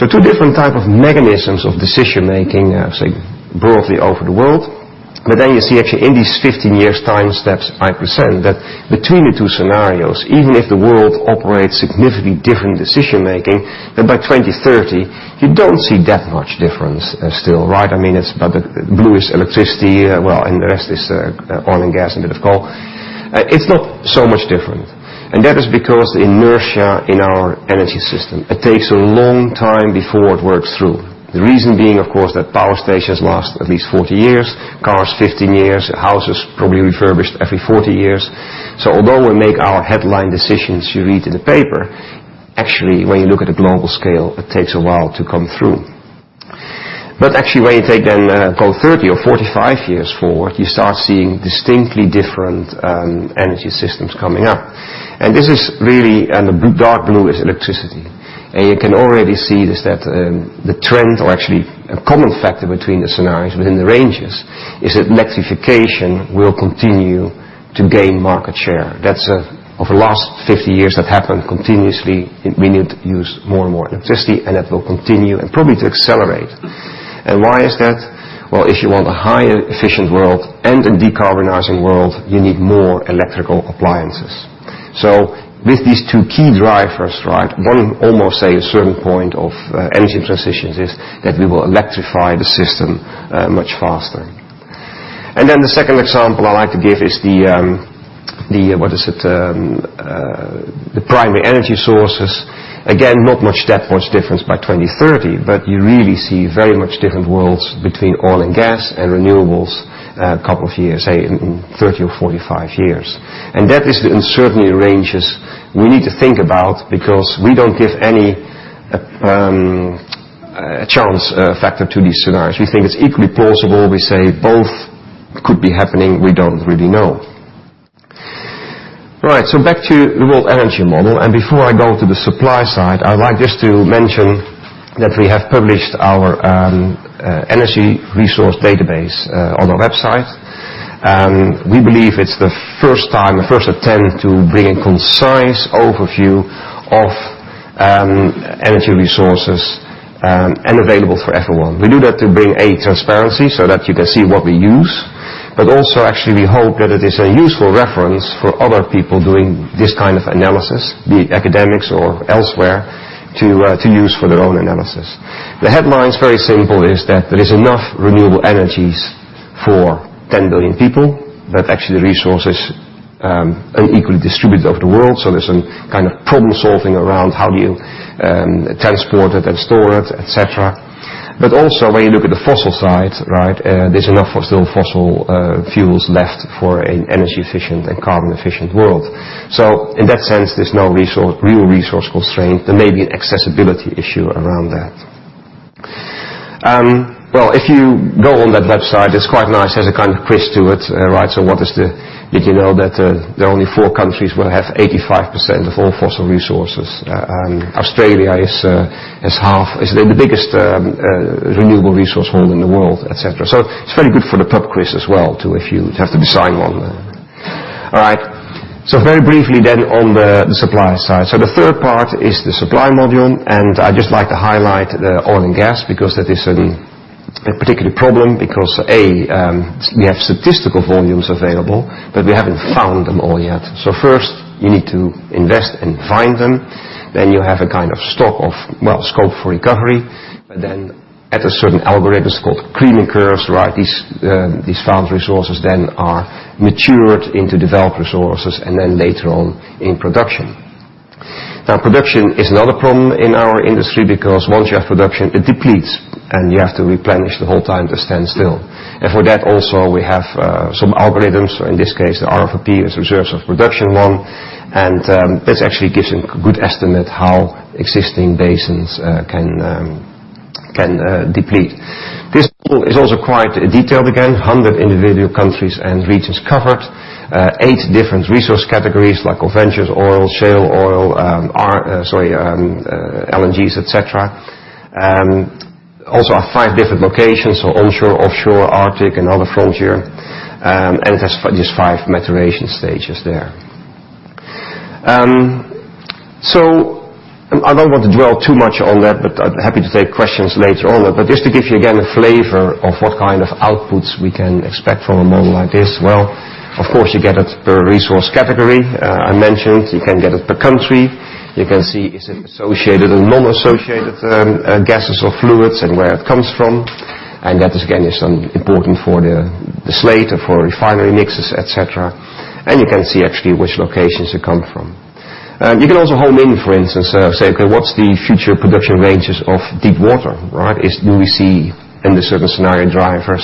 Two different type 2 mechanisms of decision making, say, broadly over the world. You see actually in these 15 years time steps I present, that between the two scenarios, even if the world operates significantly different decision making, that by 2030, you don't see that much difference still, right? It's about the bluest electricity, well, and the rest is oil and gas and a bit of coal. It's not so much different. That is because inertia in our energy system, it takes a long time before it works through. The reason being, of course, that power stations last at least 40 years, cars 15 years, houses probably refurbished every 40 years. Although we make our headline decisions you read in the paper, actually, when you look at a global scale, it takes a while to come through. Actually when you take then go 30 or 45 years forward, you start seeing distinctly different energy systems coming up. This is really, the dark blue is electricity. You can already see this, that the trend or actually a common factor between the scenarios within the ranges is that electrification will continue to gain market share. That's over the last 50 years, that happened continuously. We need to use more and more electricity, and that will continue and probably to accelerate. Why is that? Well, if you want a higher efficient world and a decarbonizing world, you need more electrical appliances. With these two key drivers, right? One almost say a certain point of energy transitions is that we will electrify the system much faster. The second example I like to give is the, what is it? The primary energy sources. Again, not much that much difference by 2030, but you really see very much different worlds between oil and gas and renewables, a couple of years, say 30 or 45 years. That is the uncertainty ranges we need to think about because we don't give any chance factor to these scenarios. We think it's equally plausible. We say both could be happening. We don't really know. Right. Back to the World Energy Model. Before I go to the supply side, I would like just to mention that we have published our energy resource database on our website. We believe it's the first time, the first attempt to bring a concise overview of energy resources and available for everyone. We do that to bring, A, transparency so that you can see what we use. Also actually we hope that it is a useful reference for other people doing this kind of analysis, be it academics or elsewhere, to use for their own analysis. The headline is very simple, is that there is enough renewable energies for 10 billion people. That actually the resource is unequally distributed over the world. There's some kind of problem-solving around how do you transport it and store it, et cetera. Also when you look at the fossil side, right? There's enough fossil fuels left for an energy efficient and carbon efficient world. In that sense, there's no real resource constraint. There may be an accessibility issue around that. Well, if you go on that website, it's quite nice. It has a kind of quiz to it, right? Did you know that there are only four countries will have 85% of all fossil resources? Australia is the biggest renewable resource holder in the world, et cetera. It's very good for the pub quiz as well too, if you have to decide one there. All right. Very briefly then on the supply side. The third part is the supply module, and I'd just like to highlight the oil and gas because that is a particular problem because, A, we have statistical volumes available, but we haven't found them all yet. First you need to invest and find them. You have a kind of stock of scope for recovery. At a certain algorithm, it's called creaming curves, right? These found resources are matured into developed resources and later on in production. Production is another problem in our industry because once you have production, it depletes, and you have to replenish the whole time to stand still. For that also we have some algorithms. In this case the R/P is reserves of production one, and this actually gives a good estimate how existing basins can deplete. This model is also quite detailed. Again, 100 individual countries and regions covered, 8 different resource categories like conventional oil, shale oil, sorry, NGLs, et cetera. Also have 5 different locations, onshore, offshore, Arctic, and other frontier, and it has these 5 maturation stages there. I don't want to dwell too much on that, but happy to take questions later on. Just to give you, again, a flavor of what kind of outputs we can expect from a model like this, well, of course, you get it per resource category, I mentioned. You can get it per country. You can see is it associated with non-associated gases or fluids and where it comes from. That, again, is important for the slate, for refinery mixes, et cetera. You can see actually which locations they come from. You can also home in, for instance, say, okay, what's the future production ranges of deep water, right? Do we see in the certain scenario drivers,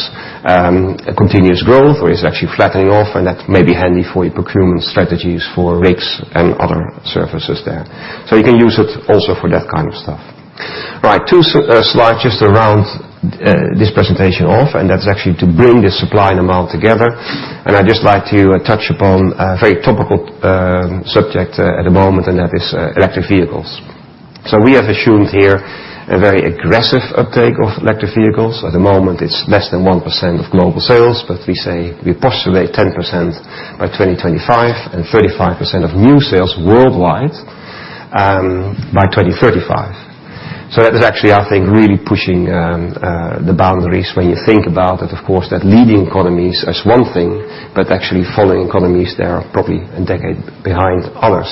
continuous growth, or is it actually flattening off? That may be handy for your procurement strategies for rigs and other services there. You can use it also for that kind of stuff. Right. Two slides just to round this presentation off, and that's actually to bring the supply and demand together. I'd just like to touch upon a very topical subject at the moment, and that is electric vehicles. We have assumed here a very aggressive uptake of electric vehicles. At the moment, it's less than 1% of global sales, but we postulate 10% by 2025 and 35% of new sales worldwide by 2035. That is actually, I think, really pushing the boundaries when you think about it, of course, that leading economies is one thing, but actually following economies there are probably a decade behind others.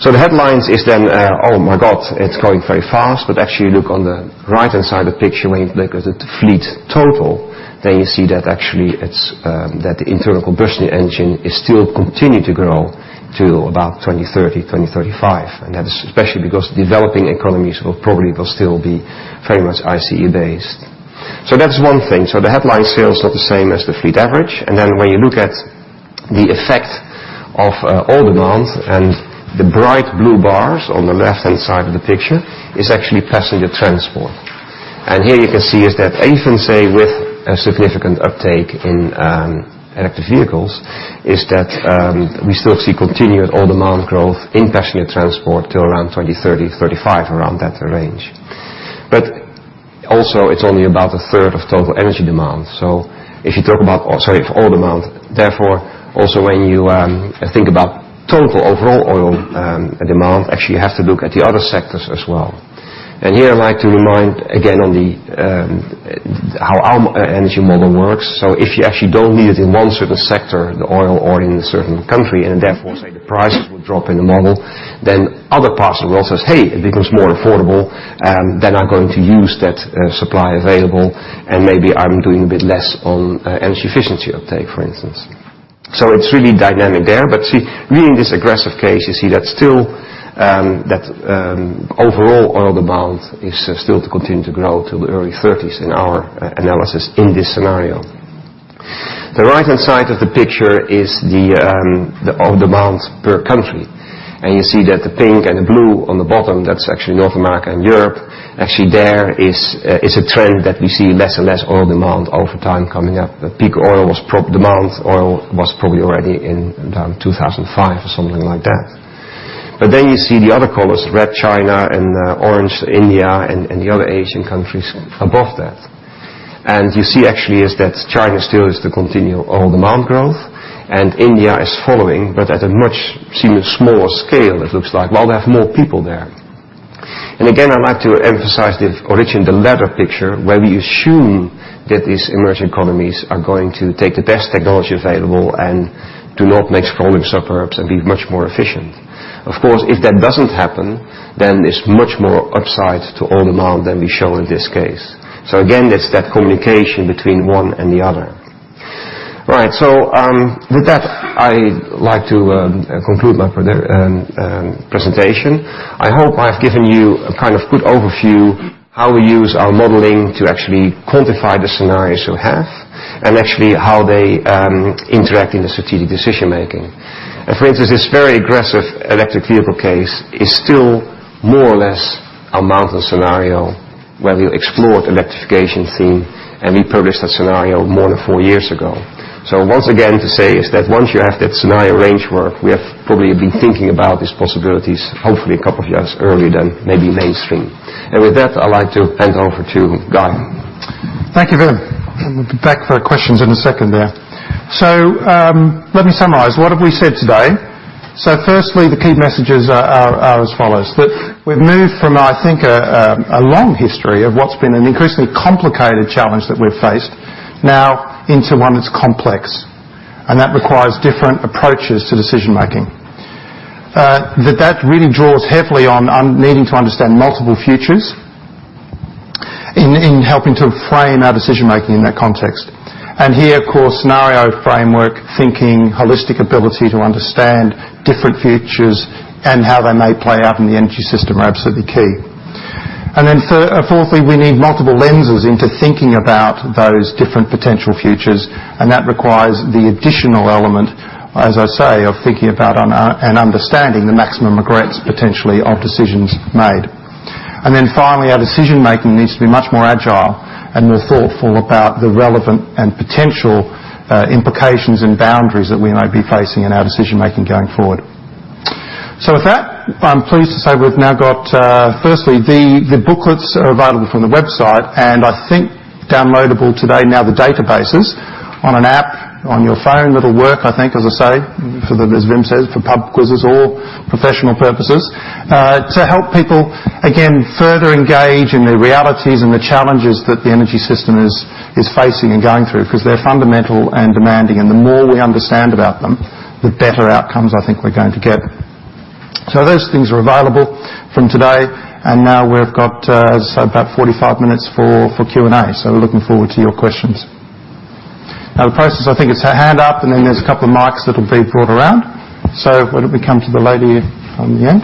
The headlines is then, "Oh my God, it's growing very fast." Actually, you look on the right-hand side of the picture, when you look at the fleet total, you see that internal combustion engine is still continuing to grow till about 2030, 2035. That is especially because developing economies probably will still be very much ICE-based. That's one thing. The headline sales are the same as the fleet average. When you look at the effect of oil demand and the bright blue bars on the left-hand side of the picture is actually passenger transport. Here you can see is that even, say, with a significant uptake in electric vehicles, is that we still see continued oil demand growth in passenger transport till around 2030, 2035, around that range. Also it's only about a third of total energy demand. If you talk about oil demand, therefore also when you think about total overall oil demand, actually you have to look at the other sectors as well. Here I'd like to remind again on how our World Energy Model works. If you actually don't need it in one certain sector, the oil, or in a certain country, therefore, say, the prices will drop in the model, then other parts of the world says, "Hey, it becomes more affordable. I'm going to use that supply available and maybe I'm doing a bit less on energy efficiency uptake," for instance. It's really dynamic there. See, really in this aggressive case, you see that overall oil demand is still to continue to grow till the early 2030s in our analysis in this scenario. The right-hand side of the picture is the oil demand per country. You see that the pink and the blue on the bottom, that's actually North America and Europe. Actually, there is a trend that we see less and less oil demand over time coming up. The peak oil demand was probably already in 2005 or something like that. You see the other colors, red China and orange India and the other Asian countries above that. You see actually is that China still is to continue oil demand growth, and India is following, but at a much smaller scale, it looks like, while they have more people there. Again, I'd like to emphasize the origin, the latter picture, where we assume that these emerging economies are going to take the best technology available and do not make sprawling suburbs and be much more efficient. Of course, if that doesn't happen, there's much more upside to oil demand than we show in this case. Again, that's that communication between one and the other. Right. With that, I'd like to conclude my presentation. I hope I've given you a good overview how we use our modeling to actually quantify the scenarios we have and actually how they interact in the strategic decision making. For instance, this very aggressive electric vehicle case is still more or less a model scenario where we explored the electrification theme. We published that scenario more than four years ago. Once again to say is that once you have that scenario range work, we have probably been thinking about these possibilities hopefully a couple of years earlier than maybe mainstream. With that, I'd like to hand over to Guy. Thank you, Wim. Back for questions. Let me summarize. What have we said today? The key messages are as follows. We've moved from a long history of what's been an increasingly complicated challenge that we've faced now into one that's complex. That requires different approaches to decision making. That really draws heavily on needing to understand multiple futures in helping to frame our decision making in that context. Here, scenario framework thinking, holistic ability to understand different futures and how they may play out in the energy system are absolutely key. Fourthly, we need multiple lenses into thinking about those different potential futures, and that requires the additional element, as I say, of thinking about and understanding the maximum regrets potentially of decisions made. Finally, our decision-making needs to be much more agile and more thoughtful about the relevant and potential implications and boundaries that we might be facing in our decision-making going forward. With that, I'm pleased to say we've now got, firstly, the booklets are available from the website, downloadable today, the database is on an app on your phone that'll work, as I say, as Wim says, for pub quizzes or professional purposes, to help people, again, further engage in the realities and the challenges that the energy system is facing and going through, because they're fundamental and demanding. The more we understand about them, the better outcomes we're going to get. Those things are available from today, we've got about 45 minutes for Q&A. We're looking forward to your questions. The process, it's a hand up, then there's a couple of mics that'll be brought around. Why don't we come to the lady on the end?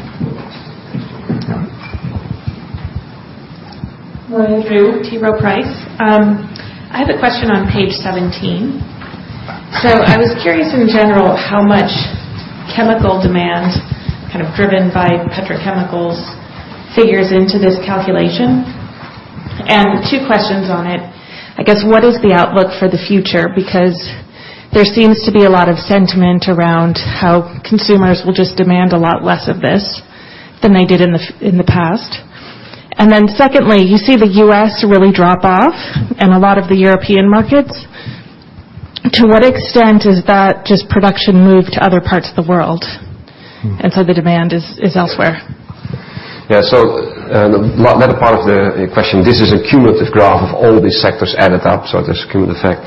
Good afternoon. Terry Price. I have a question on page 17. I was curious in general how much chemical demand driven by petrochemicals figures into this calculation. Two questions on it. What is the outlook for the future? Because there seems to be a lot of sentiment around how consumers will just demand a lot less of this than they did in the past. Secondly, you see the U.S. really drop off and a lot of the European markets. To what extent has that just production moved to other parts of the world? The demand is elsewhere. Yeah. The latter part of the question, this is a cumulative graph of all the sectors added up, so there's a cumulative effect.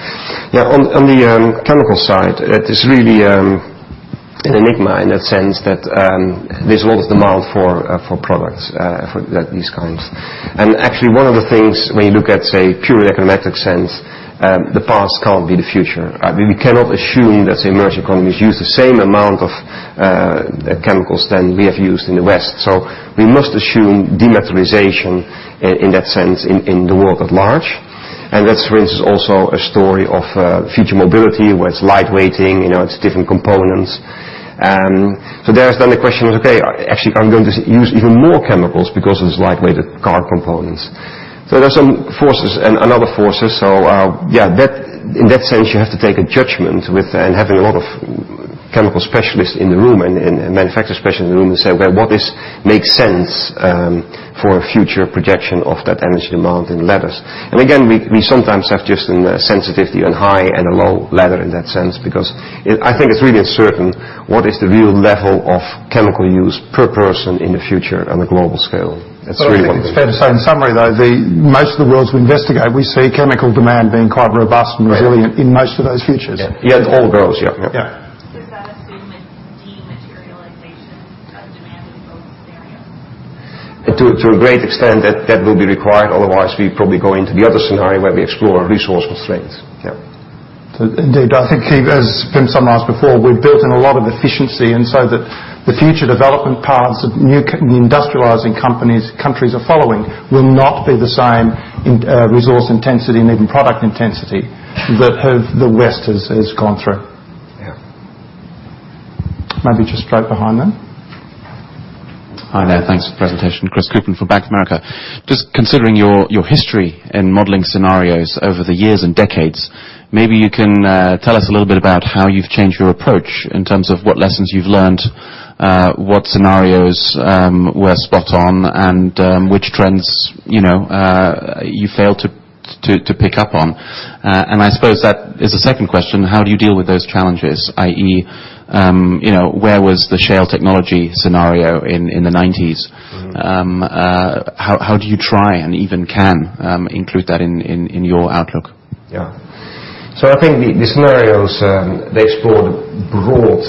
On the chemical side, it is really an enigma in a sense that there's a lot of demand for products these kinds. Actually, one of the things when you look at, say, purely econometric sense, the past can't be the future. We cannot assume that the emerging economies use the same amount of chemicals than we have used in the West. We must assume dematerialization in that sense in the world at large. That's, for instance, also a story of future mobility, where it's lightweighting, it's different components. There, then the question is, okay, actually, are going to use even more chemicals because of this lightweight car components. There's some forces and another force. In that sense, you have to take a judgment with and having a lot of chemical specialists in the room and manufacturer specialists in the room and say, "Well, what makes sense for a future projection of that energy demand in levels?" Again, we sometimes have just a sensitivity on high and a low level in that sense, because I think it's really uncertain what is the real level of chemical use per person in the future on a global scale. It's fair to say in summary, though, most of the Worlds we investigate, we see chemical demand being quite robust and resilient in most of those futures. Yeah. In all Worlds. Yeah. Yeah. Is that assumption dematerialization of demand in both scenarios? To a great extent, that will be required. Otherwise, we probably go into the other scenario where we explore resource constraints. Yeah. Indeed. I think as Wim summarized before, we've built in a lot of efficiency, the future development paths of new industrializing countries are following will not be the same resource intensity and even product intensity that the West has gone through. Yeah. Maybe just straight behind then. Hi there. Thanks for the presentation. Chris Cooper from Bank of America. Just considering your history in modeling scenarios over the years and decades, maybe you can tell us a little bit about how you've changed your approach in terms of what lessons you've learned, what scenarios were spot on, and which trends you failed to pick up on. I suppose that is the second question, how do you deal with those challenges, i.e., where was the shale technology scenario in the '90s? How do you try and even can include that in your outlook? Yeah. I think the scenarios they explored broad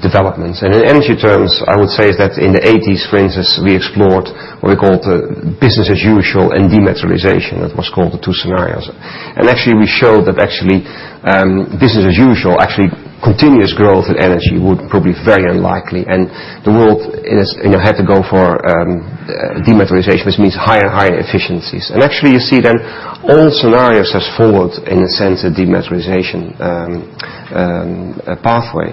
developments. In energy terms, I would say is that in the '80s, for instance, we explored what we called business as usual and dematerialization. That was called the two scenarios. Actually, we showed that actually business as usual, actually continuous growth in energy would probably be very unlikely. The world had to go for dematerialization, which means higher efficiencies. Actually, you see then all scenarios has followed, in a sense, a dematerialization pathway.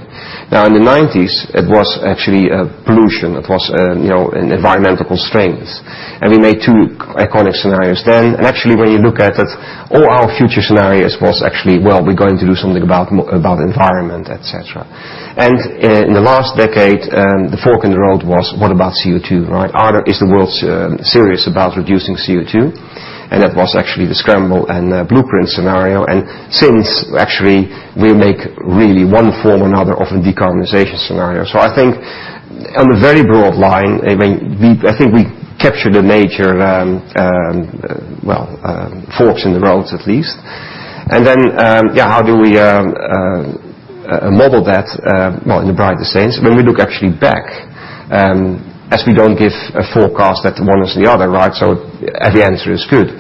Now, in the '90s, it was actually pollution. It was environmental constraints. We made two iconic scenarios then. Actually, when you look at it, all our future scenarios was actually, well, we're going to do something about environment, et cetera. In the last decade, the fork in the road was, what about CO2? Is the world serious about reducing CO2? That was actually the Scramble and Blueprints scenario. Since actually we make really one form or another of a decarbonization scenario. I think on a very broad line, I think we capture the major forks in the roads at least. Then how do we model that? Well, in the broadest sense, when we look actually back As we don't give a forecast that one is the other. The answer is good.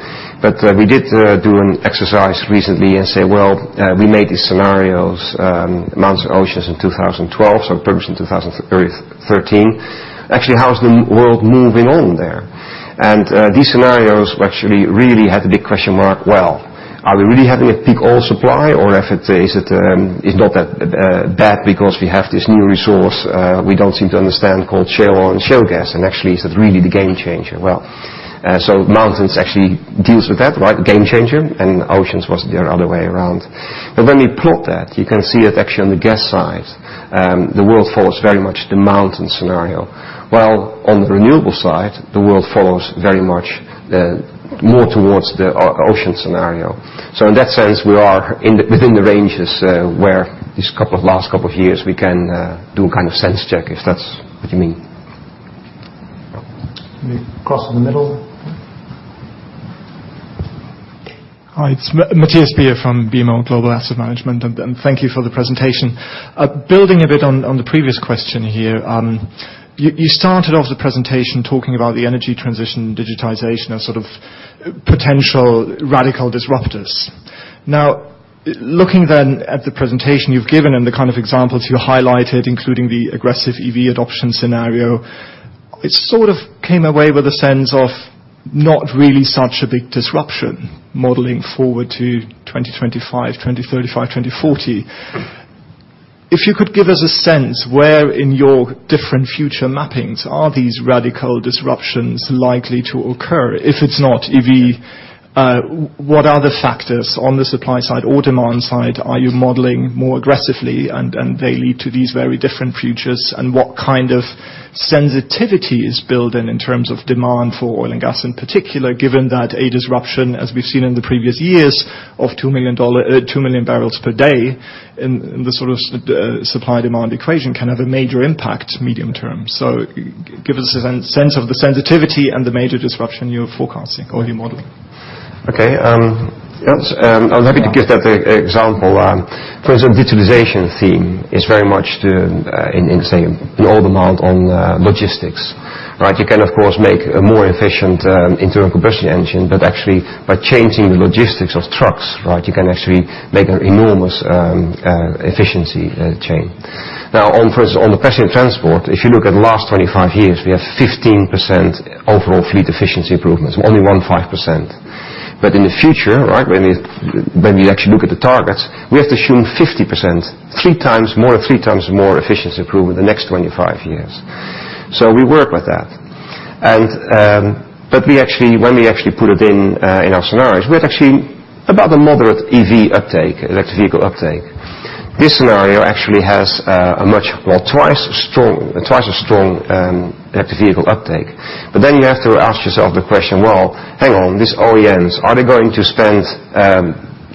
We did do an exercise recently and say, well, we made these scenarios, Mountains and Oceans in 2012, so published in 2013. Actually, how is the world moving on there? These scenarios actually really had a big question mark. Well, are we really having a peak oil supply? If it is today, is it not that bad because we have this new resource we don't seem to understand called shale oil and shale gas, and actually, is it really the game changer? Well, Mountains actually deals with that, game changer, and Oceans was the other way around. When we plot that, you can see it actually on the gas side, the world follows very much the Mountains scenario, while on the renewable side, the world follows very much more towards the Oceans scenario. In that sense, we are within the ranges where these last couple of years we can do a kind of sense check, if that's what you mean. Across from the middle. Hi, it's Matthias Bier from BMO Global Asset Management. Thank you for the presentation. Building a bit on the previous question here. You started off the presentation talking about the energy transition, digitization as sort of potential radical disruptors. Looking then at the presentation you've given and the kind of examples you highlighted, including the aggressive EV adoption scenario, it sort of came away with a sense of not really such a big disruption modeling forward to 2025, 2035, 2040. If you could give us a sense, where in your different future mappings are these radical disruptions likely to occur? If it's not EV, what are the factors on the supply side or demand side are you modeling more aggressively, and they lead to these very different futures? What kind of sensitivity is built in terms of demand for oil and gas in particular, given that a disruption, as we've seen in the previous years, of 2 million barrels per day in the sort of supply-demand equation can have a major impact medium term. Give us a sense of the sensitivity and the major disruption you're forecasting or you're modeling. Okay. Yes, I'm happy to give that example. For example, digitalization theme is very much the, in, say, global amount on logistics. You can, of course, make a more efficient internal combustion engine, but actually by changing the logistics of trucks, you can actually make an enormous efficiency chain. For instance, on the passenger transport, if you look at the last 25 years, we have 15% overall fleet efficiency improvements, only 15%. In the future when we actually look at the targets, we have to assume 50%, three times more efficiency improvement the next 25 years. We work with that. When we actually put it in our scenarios, we had actually about a moderate EV uptake, electric vehicle uptake. This scenario actually has a much, well, twice as strong electric vehicle uptake. You have to ask yourself the question, well, hang on, these OEMs, are they going to spend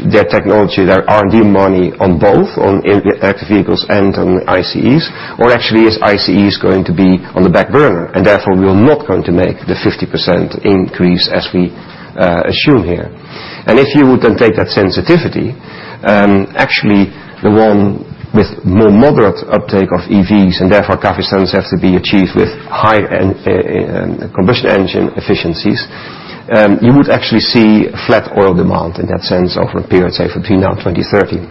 their technology, their R&D money on both, on electric vehicles and on ICEs? Or actually is ICEs going to be on the back burner, and therefore we are not going to make the 50% increase as we assume here. If you would then take that sensitivity, actually the one with more moderate uptake of EVs, and therefore carbon standards have to be achieved with higher combustion engine efficiencies, you would actually see flat oil demand in that sense over a period, say, between now and 2030.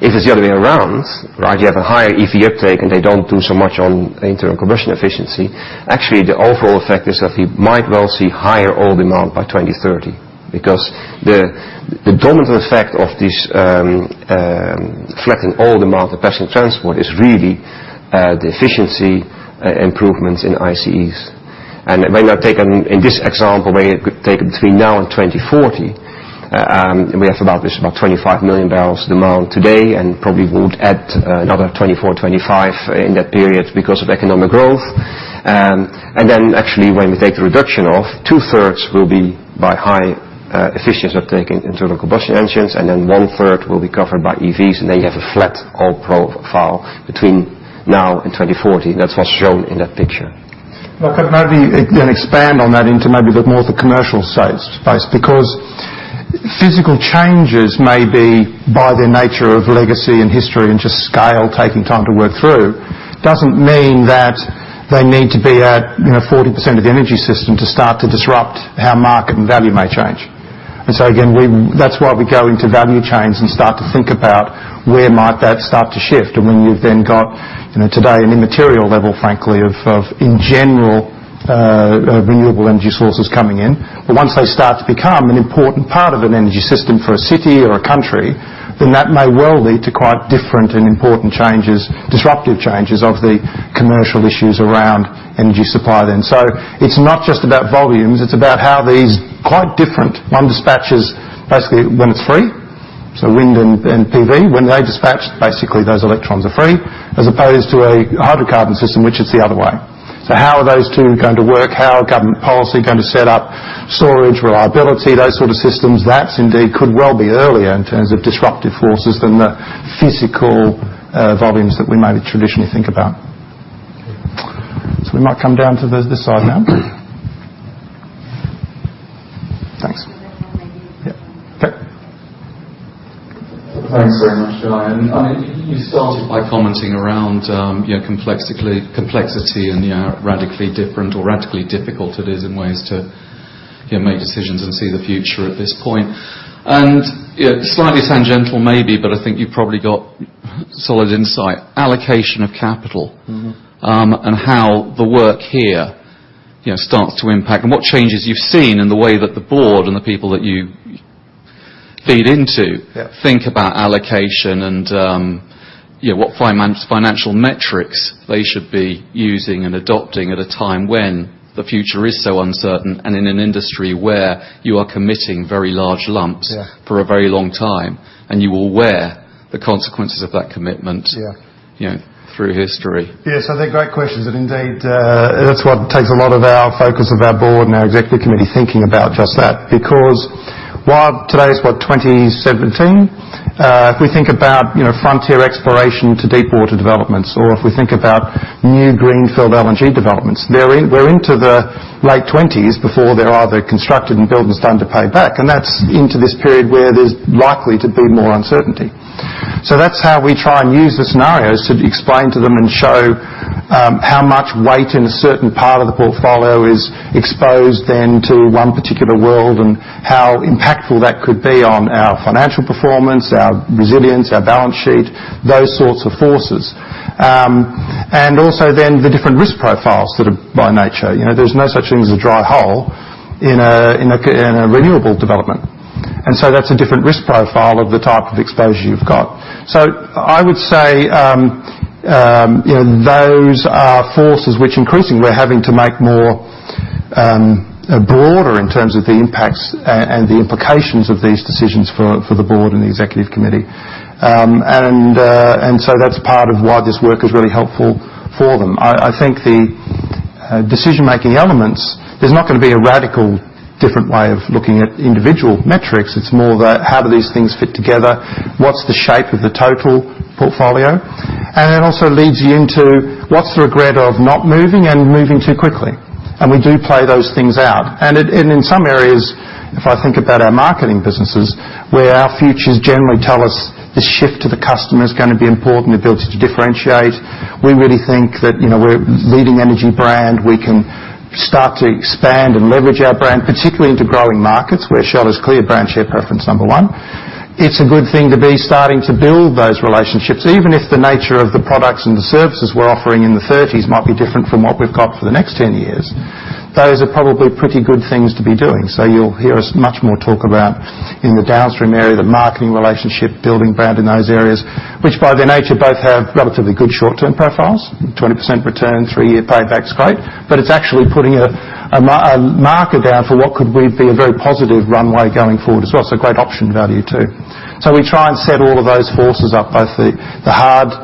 If it's the other way around, you have a higher EV uptake, and they don't do so much on internal combustion efficiency, actually, the overall effect is that we might well see higher oil demand by 2030, because the dominant effect of this flattening oil demand for personal transport is really the efficiency improvements in ICEs. When we have taken, in this example, when you take it between now and 2040, we have about this, about 25 million barrels demand today and probably would add another 24, 25 in that period because of economic growth. Then actually when we take the reduction of two-thirds will be by high efficiency uptake in internal combustion engines, and then one-third will be covered by EVs, then you have a flat oil profile between now and 2040. That's what's shown in that picture. Mark, maybe then expand on that into maybe a bit more of the commercial space, because physical changes may be, by their nature of legacy and history and just scale, taking time to work through, doesn't mean that they need to be at 40% of the energy system to start to disrupt how market and value may change. Again, that's why we go into value chains and start to think about where might that start to shift. When you've then got today an immaterial level, frankly, of in general renewable energy sources coming in. Once they start to become an important part of an energy system for a city or a country, then that may well lead to quite different and important changes, disruptive changes of the commercial issues around energy supply then. It's not just about volumes, it's about how these quite different, one dispatches basically when it's free. Wind and PV, when they dispatch, basically those electrons are free as opposed to a hydrocarbon system, which is the other way. How are those two going to work? How are government policy going to set up storage, reliability, those sort of systems? That indeed could well be earlier in terms of disruptive forces than the physical volumes that we maybe traditionally think about. We might come down to this side now. Thanks. Thanks very much, Guy. You started by commenting around complexity and radically different or radically difficult it is in ways to make decisions and see the future at this point. Slightly tangential maybe, but I think you've probably got solid insight. Allocation of capital- How the work here starts to impact, and what changes you've seen in the way that the board and the people that you feed into- Yeah think about allocation and what financial metrics they should be using and adopting at a time when the future is so uncertain, and in an industry where you are committing very large lumps- Yeah for a very long time, and you will wear the consequences of that commitment- Yeah through history. Yes. I think great questions. Indeed, that's what takes a lot of our focus of our Board and our Executive Committee thinking about just that. While today is 2017, if we think about frontier exploration to deep water developments, or if we think about new greenfield LNG developments, we're into the late 2020s before they're either constructed and built and starting to pay back. That's into this period where there's likely to be more uncertainty. That's how we try and use the scenarios to explain to them and show how much weight in a certain part of the portfolio is exposed to one particular world, and how impactful that could be on our financial performance, our resilience, our balance sheet, those sorts of forces. Also the different risk profiles that are by nature. There's no such thing as a dry hole in a renewable development. That's a different risk profile of the type of exposure you've got. I would say, those are forces which increasingly we're having to make more broader in terms of the impacts and the implications of these decisions for the Board and the Executive Committee. That's part of why this work is really helpful for them. I think the decision making elements, there's not going to be a radical different way of looking at individual metrics. It's more the, how do these things fit together? What's the shape of the total portfolio? It also leads you into, what's the regret of not moving and moving too quickly? We do play those things out. In some areas, if I think about our marketing businesses, where our futures generally tell us the shift to the customer is going to be important, the ability to differentiate. We really think that we're leading energy brand. We can start to expand and leverage our brand, particularly into growing markets where Shell has clear brand share preference number 1. It's a good thing to be starting to build those relationships, even if the nature of the products and the services we're offering in the 2030s might be different from what we've got for the next 10 years. Those are probably pretty good things to be doing. You'll hear us much more talk about in the downstream area, the marketing relationship, building brand in those areas. Which by their nature both have relatively good short-term profiles, 20% return, 3-year payback's great. It's actually putting a marker down for what could be a very positive runway going forward as well. Great option value too. We try and set all of those forces up, both the hard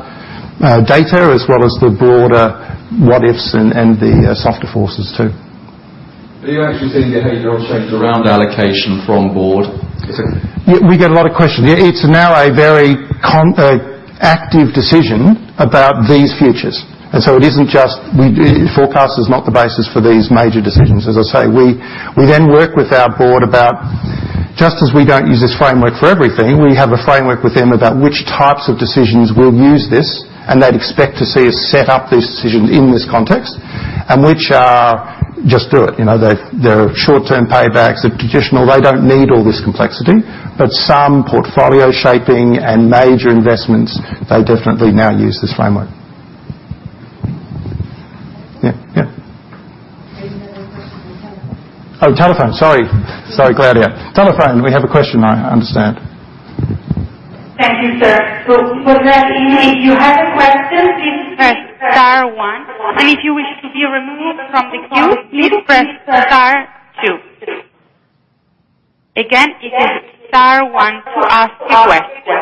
data as well as the broader what-ifs and the softer forces too. Are you actually seeing behavioral change around allocation from board? We get a lot of questions. It's now a very active decision about these futures. It isn't just Forecast is not the basis for these major decisions. As I say, we work with our board about, just as we don't use this framework for everything, we have a framework with them about which types of decisions we'll use this, and they'd expect to see us set up these decisions in this context. Which are just do it. They're short-term paybacks. They're traditional. They don't need all this complexity. Some portfolio shaping and major investments, they definitely now use this framework. Yeah. Are you having questions on telephone? Oh, telephone. Sorry. Sorry, Claudia. Telephone, we have a question I understand. Thank you, sir. For that, if you have a question, please press star one. If you wish to be removed from the queue, please press star two. Again, it is star one to ask a question.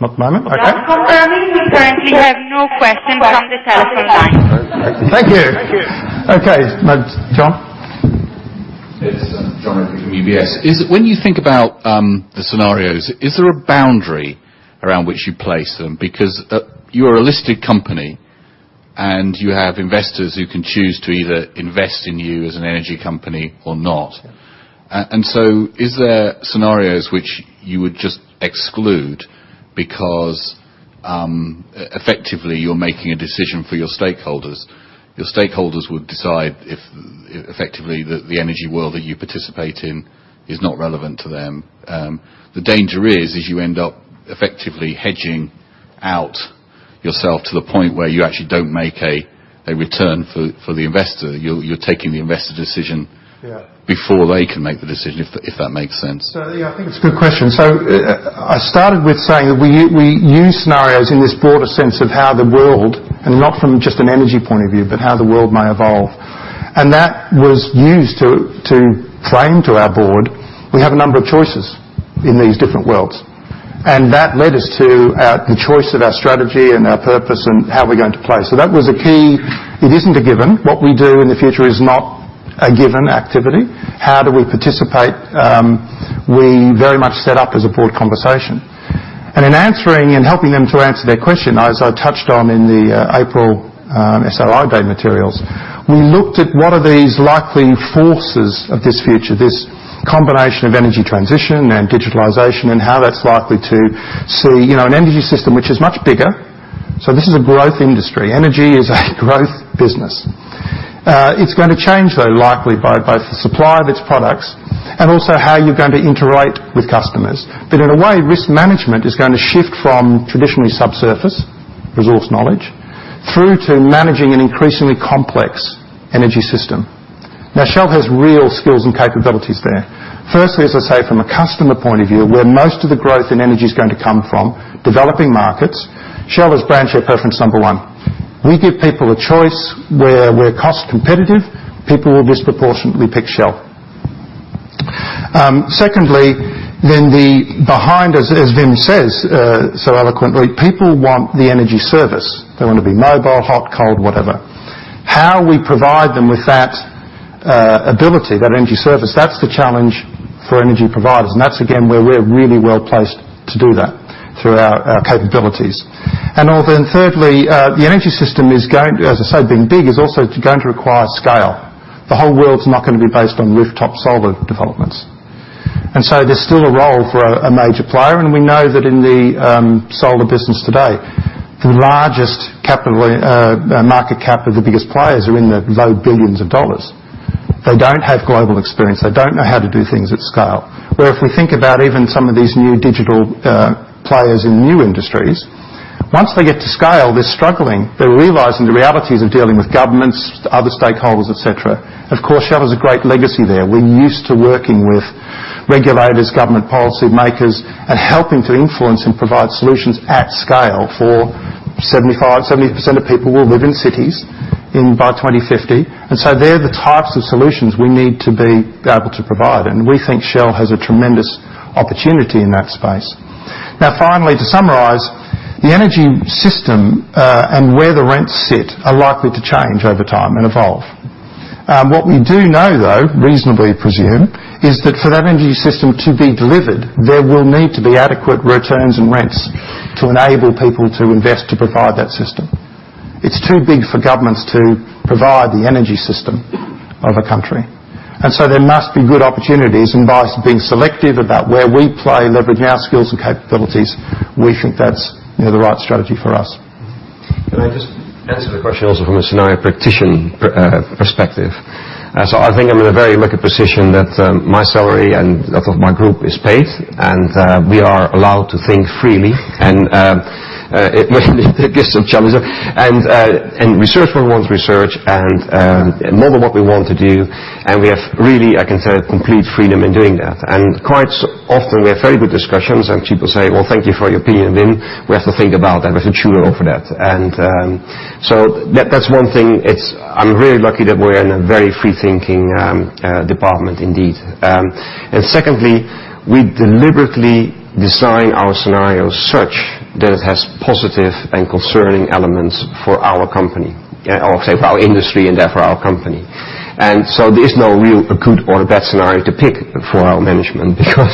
Not many. Okay. Just confirming, we currently have no questions on the telephone line. Thank you. Okay. Jon? Yes. Jon Rigby from UBS. When you think about the scenarios, is there a boundary around which you place them? You are a listed company, and you have investors who can choose to either invest in you as an energy company or not. Yeah. Is there scenarios which you would just exclude because, effectively you're making a decision for your stakeholders? Your stakeholders would decide if effectively the energy world that you participate in is not relevant to them. The danger is you end up effectively hedging out yourself to the point where you actually don't make a return for the investor. You're taking the investor decision. Yeah They can make the decision, if that makes sense. Yeah, I think it's a good question. I started with saying we use scenarios in this broader sense of how the world, and not from just an energy point of view, but how the world may evolve. That was used to frame to our board, we have a number of choices in these different worlds. That led us to the choice of our strategy and our purpose and how we're going to play. That was a key. It isn't a given. What we do in the future is not a given activity. How do we participate? We very much set up as a broad conversation. In answering and helping them to answer their question, as I touched on in the April SRI day materials, we looked at what are these likely forces of this future, this combination of energy transition and digitalization, and how that's likely to see an energy system which is much bigger. This is a growth industry. Energy is a growth business. It's going to change, though, likely by both the supply of its products and also how you're going to interact with customers. That in a way, risk management is going to shift from traditionally subsurface resource knowledge through to managing an increasingly complex energy system. Shell has real skills and capabilities there. Firstly, as I say, from a customer point of view, where most of the growth in energy is going to come from, developing markets, Shell is brand share preference number 1. We give people a choice where we're cost competitive, people will disproportionately pick Shell. Secondly, the behind us, as Wim says so eloquently, people want the energy service. They want to be mobile, hot, cold, whatever. How we provide them with that ability, that energy service, that's the challenge for energy providers. That's again, where we're really well-placed to do that through our capabilities. Although thirdly, the energy system is going to, as I say, being big, is also going to require scale. The whole world's not going to be based on rooftop solar developments. So there's still a role for a major player, and we know that in the solar business today, the largest market cap of the biggest players are in the low billions of dollars. They don't have global experience. They don't know how to do things at scale. If we think about even some of these new digital players in new industries, once they get to scale, they're struggling. They're realizing the realities of dealing with governments, other stakeholders, etc. Of course, Shell has a great legacy there. We're used to working with regulators, government policy makers and helping to influence and provide solutions at scale for 75, 70% of people will live in cities by 2050. They're the types of solutions we need to be able to provide, and we think Shell has a tremendous opportunity in that space. Finally, to summarize, the energy system and where the rents sit are likely to change over time and evolve. What we do know, though, reasonably presume, is that for that energy system to be delivered, there will need to be adequate returns and rents to enable people to invest to provide that system. It's too big for governments to provide the energy system of a country. There must be good opportunities, and by us being selective about where we play, leveraging our skills and capabilities, we think that's the right strategy for us. Can I just answer the question also from a scenario practitioner perspective. I think I'm in a very lucky position that my salary and that of my group is paid, and we are allowed to think freely and it may give some challenges. Research for one's research and model what we want to do, and we have really, I can say, complete freedom in doing that. Quite often we have very good discussions and people say, "Well, thank you for your opinion, Wim. We have to think about that. We have to chew over that." That's one thing. I'm very lucky that we're in a very free-thinking department indeed. Secondly, we deliberately design our scenarios such that it has positive and concerning elements for our company, or say for our industry and therefore our company. There's no real good or bad scenario to pick for our management because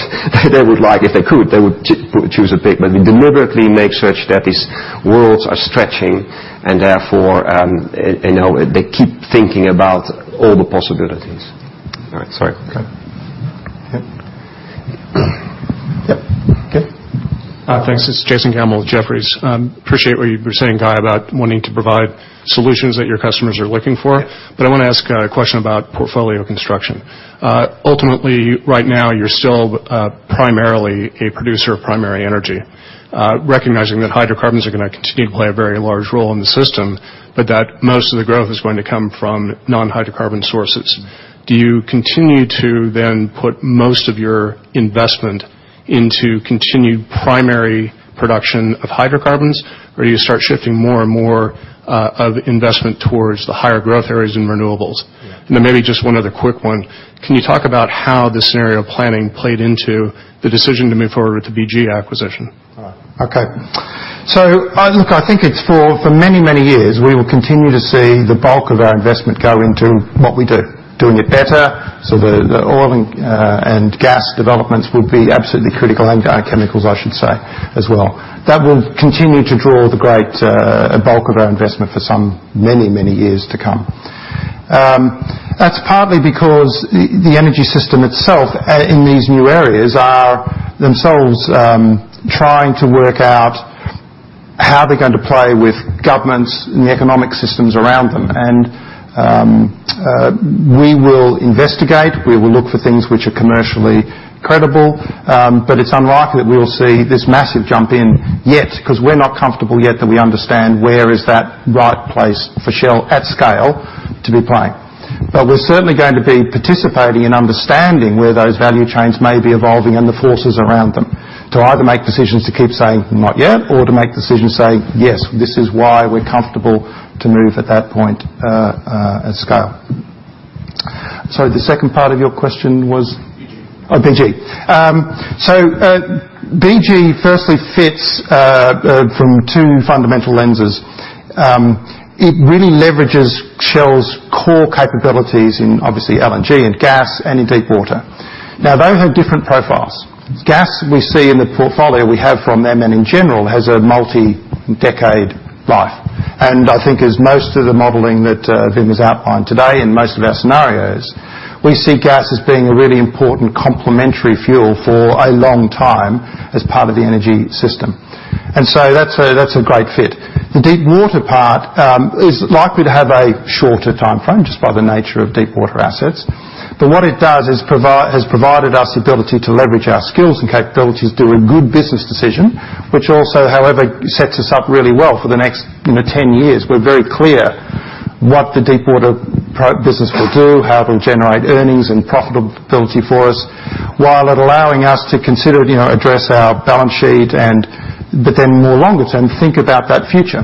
they would like, if they could, they would choose a bit, but we deliberately make such that these worlds are stretching, and therefore they keep thinking about all the possibilities. All right. Sorry. Okay. Yeah. Yeah. Okay. Thanks. This is Jason Gammel with Jefferies. Appreciate what you were saying, Guy, about wanting to provide solutions that your customers are looking for. Yeah. I want to ask a question about portfolio construction. Ultimately, right now, you're still primarily a producer of primary energy. Recognizing that hydrocarbons are going to continue to play a very large role in the system, but that most of the growth is going to come from non-hydrocarbon sources. Do you continue to then put most of your investment into continued primary production of hydrocarbons? Do you start shifting more and more of investment towards the higher growth areas in renewables? Yeah. Maybe just one other quick one. Can you talk about how the scenario planning played into the decision to move forward with the BG acquisition? All right. Okay. Look, I think it's for many, many years, we will continue to see the bulk of our investment go into what we do. Doing it better, so the oil and gas developments will be absolutely critical, and chemicals, I should say, as well. That will continue to draw the great bulk of our investment for some many, many years to come. That's partly because the energy system itself in these new areas are themselves trying to work out how they're going to play with governments and the economic systems around them. We will investigate, we will look for things which are commercially credible. It's unlikely that we will see this massive jump in yet, because we're not comfortable yet that we understand where is that right place for Shell at scale to be playing. We're certainly going to be participating in understanding where those value chains may be evolving and the forces around them to either make decisions to keep saying not yet or to make decisions saying, "Yes, this is why we're comfortable to move at that point at scale." Sorry, the second part of your question was BG. Oh, BG. BG firstly fits from two fundamental lenses. It really leverages Shell's core capabilities in obviously LNG and gas and in deep water. Those have different profiles. Gas, we see in the portfolio we have from them and in general has a multi-decade life. I think as most of the modeling that Wim has outlined today in most of our scenarios, we see gas as being a really important complementary fuel for a long time as part of the energy system. That's a great fit. The deep water part, is likely to have a shorter timeframe, just by the nature of deep water assets. What it does is has provided us the ability to leverage our skills and capabilities through a good business decision, which also, however, sets us up really well for the next 10 years. We're very clear what the deep water business will do, how it will generate earnings and profitability for us, while allowing us to consider address our balance sheet and but then more longer term, think about that future.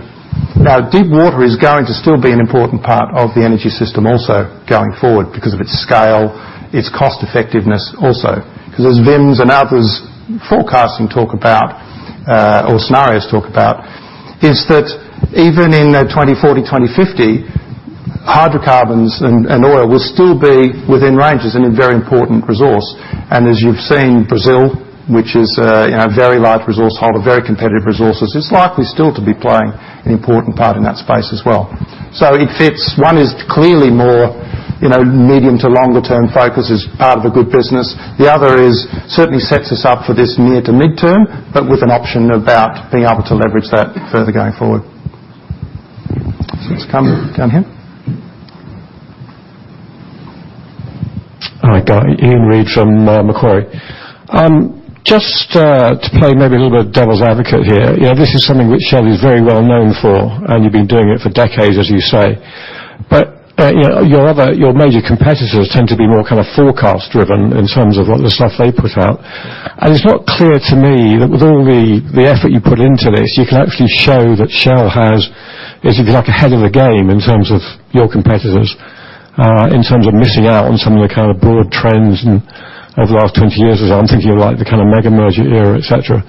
Deep water is going to still be an important part of the energy system also going forward because of its scale, its cost effectiveness also. Because as Wim's and others forecasting talk about, or scenarios talk about, is that even in 2040, 2050, hydrocarbons and oil will still be within range as an very important resource. As you've seen, Brazil, which is a very large resource holder, very competitive resources, is likely still to be playing an important part in that space as well. It fits. One is clearly more medium to longer term focus as part of a good business. The other is certainly sets us up for this near to midterm, but with an option about being able to leverage that further going forward. Let's come down here. All right, Guy. Iain Reid from Macquarie. Just to play maybe a little bit devil's advocate here. This is something which Shell is very well known for, and you've been doing it for decades, as you say. Your major competitors tend to be more kind of forecast driven in terms of all the stuff they put out. It's not clear to me that with all the effort you put into this, you can actually show that Shell is ahead of the game in terms of your competitors, in terms of missing out on some of the kind of broad trends over the last 20 years or so. I'm thinking of like the kind of mega merger era, et cetera.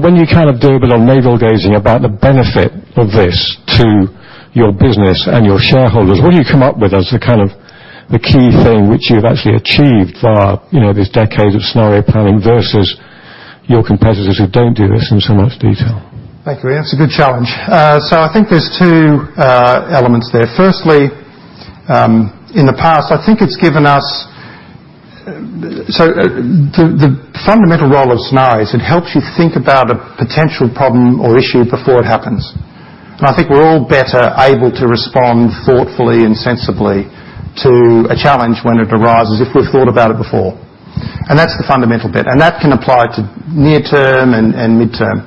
When you kind of do a bit of navel gazing about the benefit of this to your business and your shareholders, what do you come up with as the kind of the key thing which you've actually achieved via this decade of scenario planning versus your competitors who don't do this in so much detail? Thank you, Iain. It's a good challenge. I think there's two elements there. Firstly, in the past, I think it's given us the fundamental role of scenarios, it helps you think about a potential problem or issue before it happens. I think we're all better able to respond thoughtfully and sensibly to a challenge when it arises if we've thought about it before. That's the fundamental bit. That can apply to near term and midterm.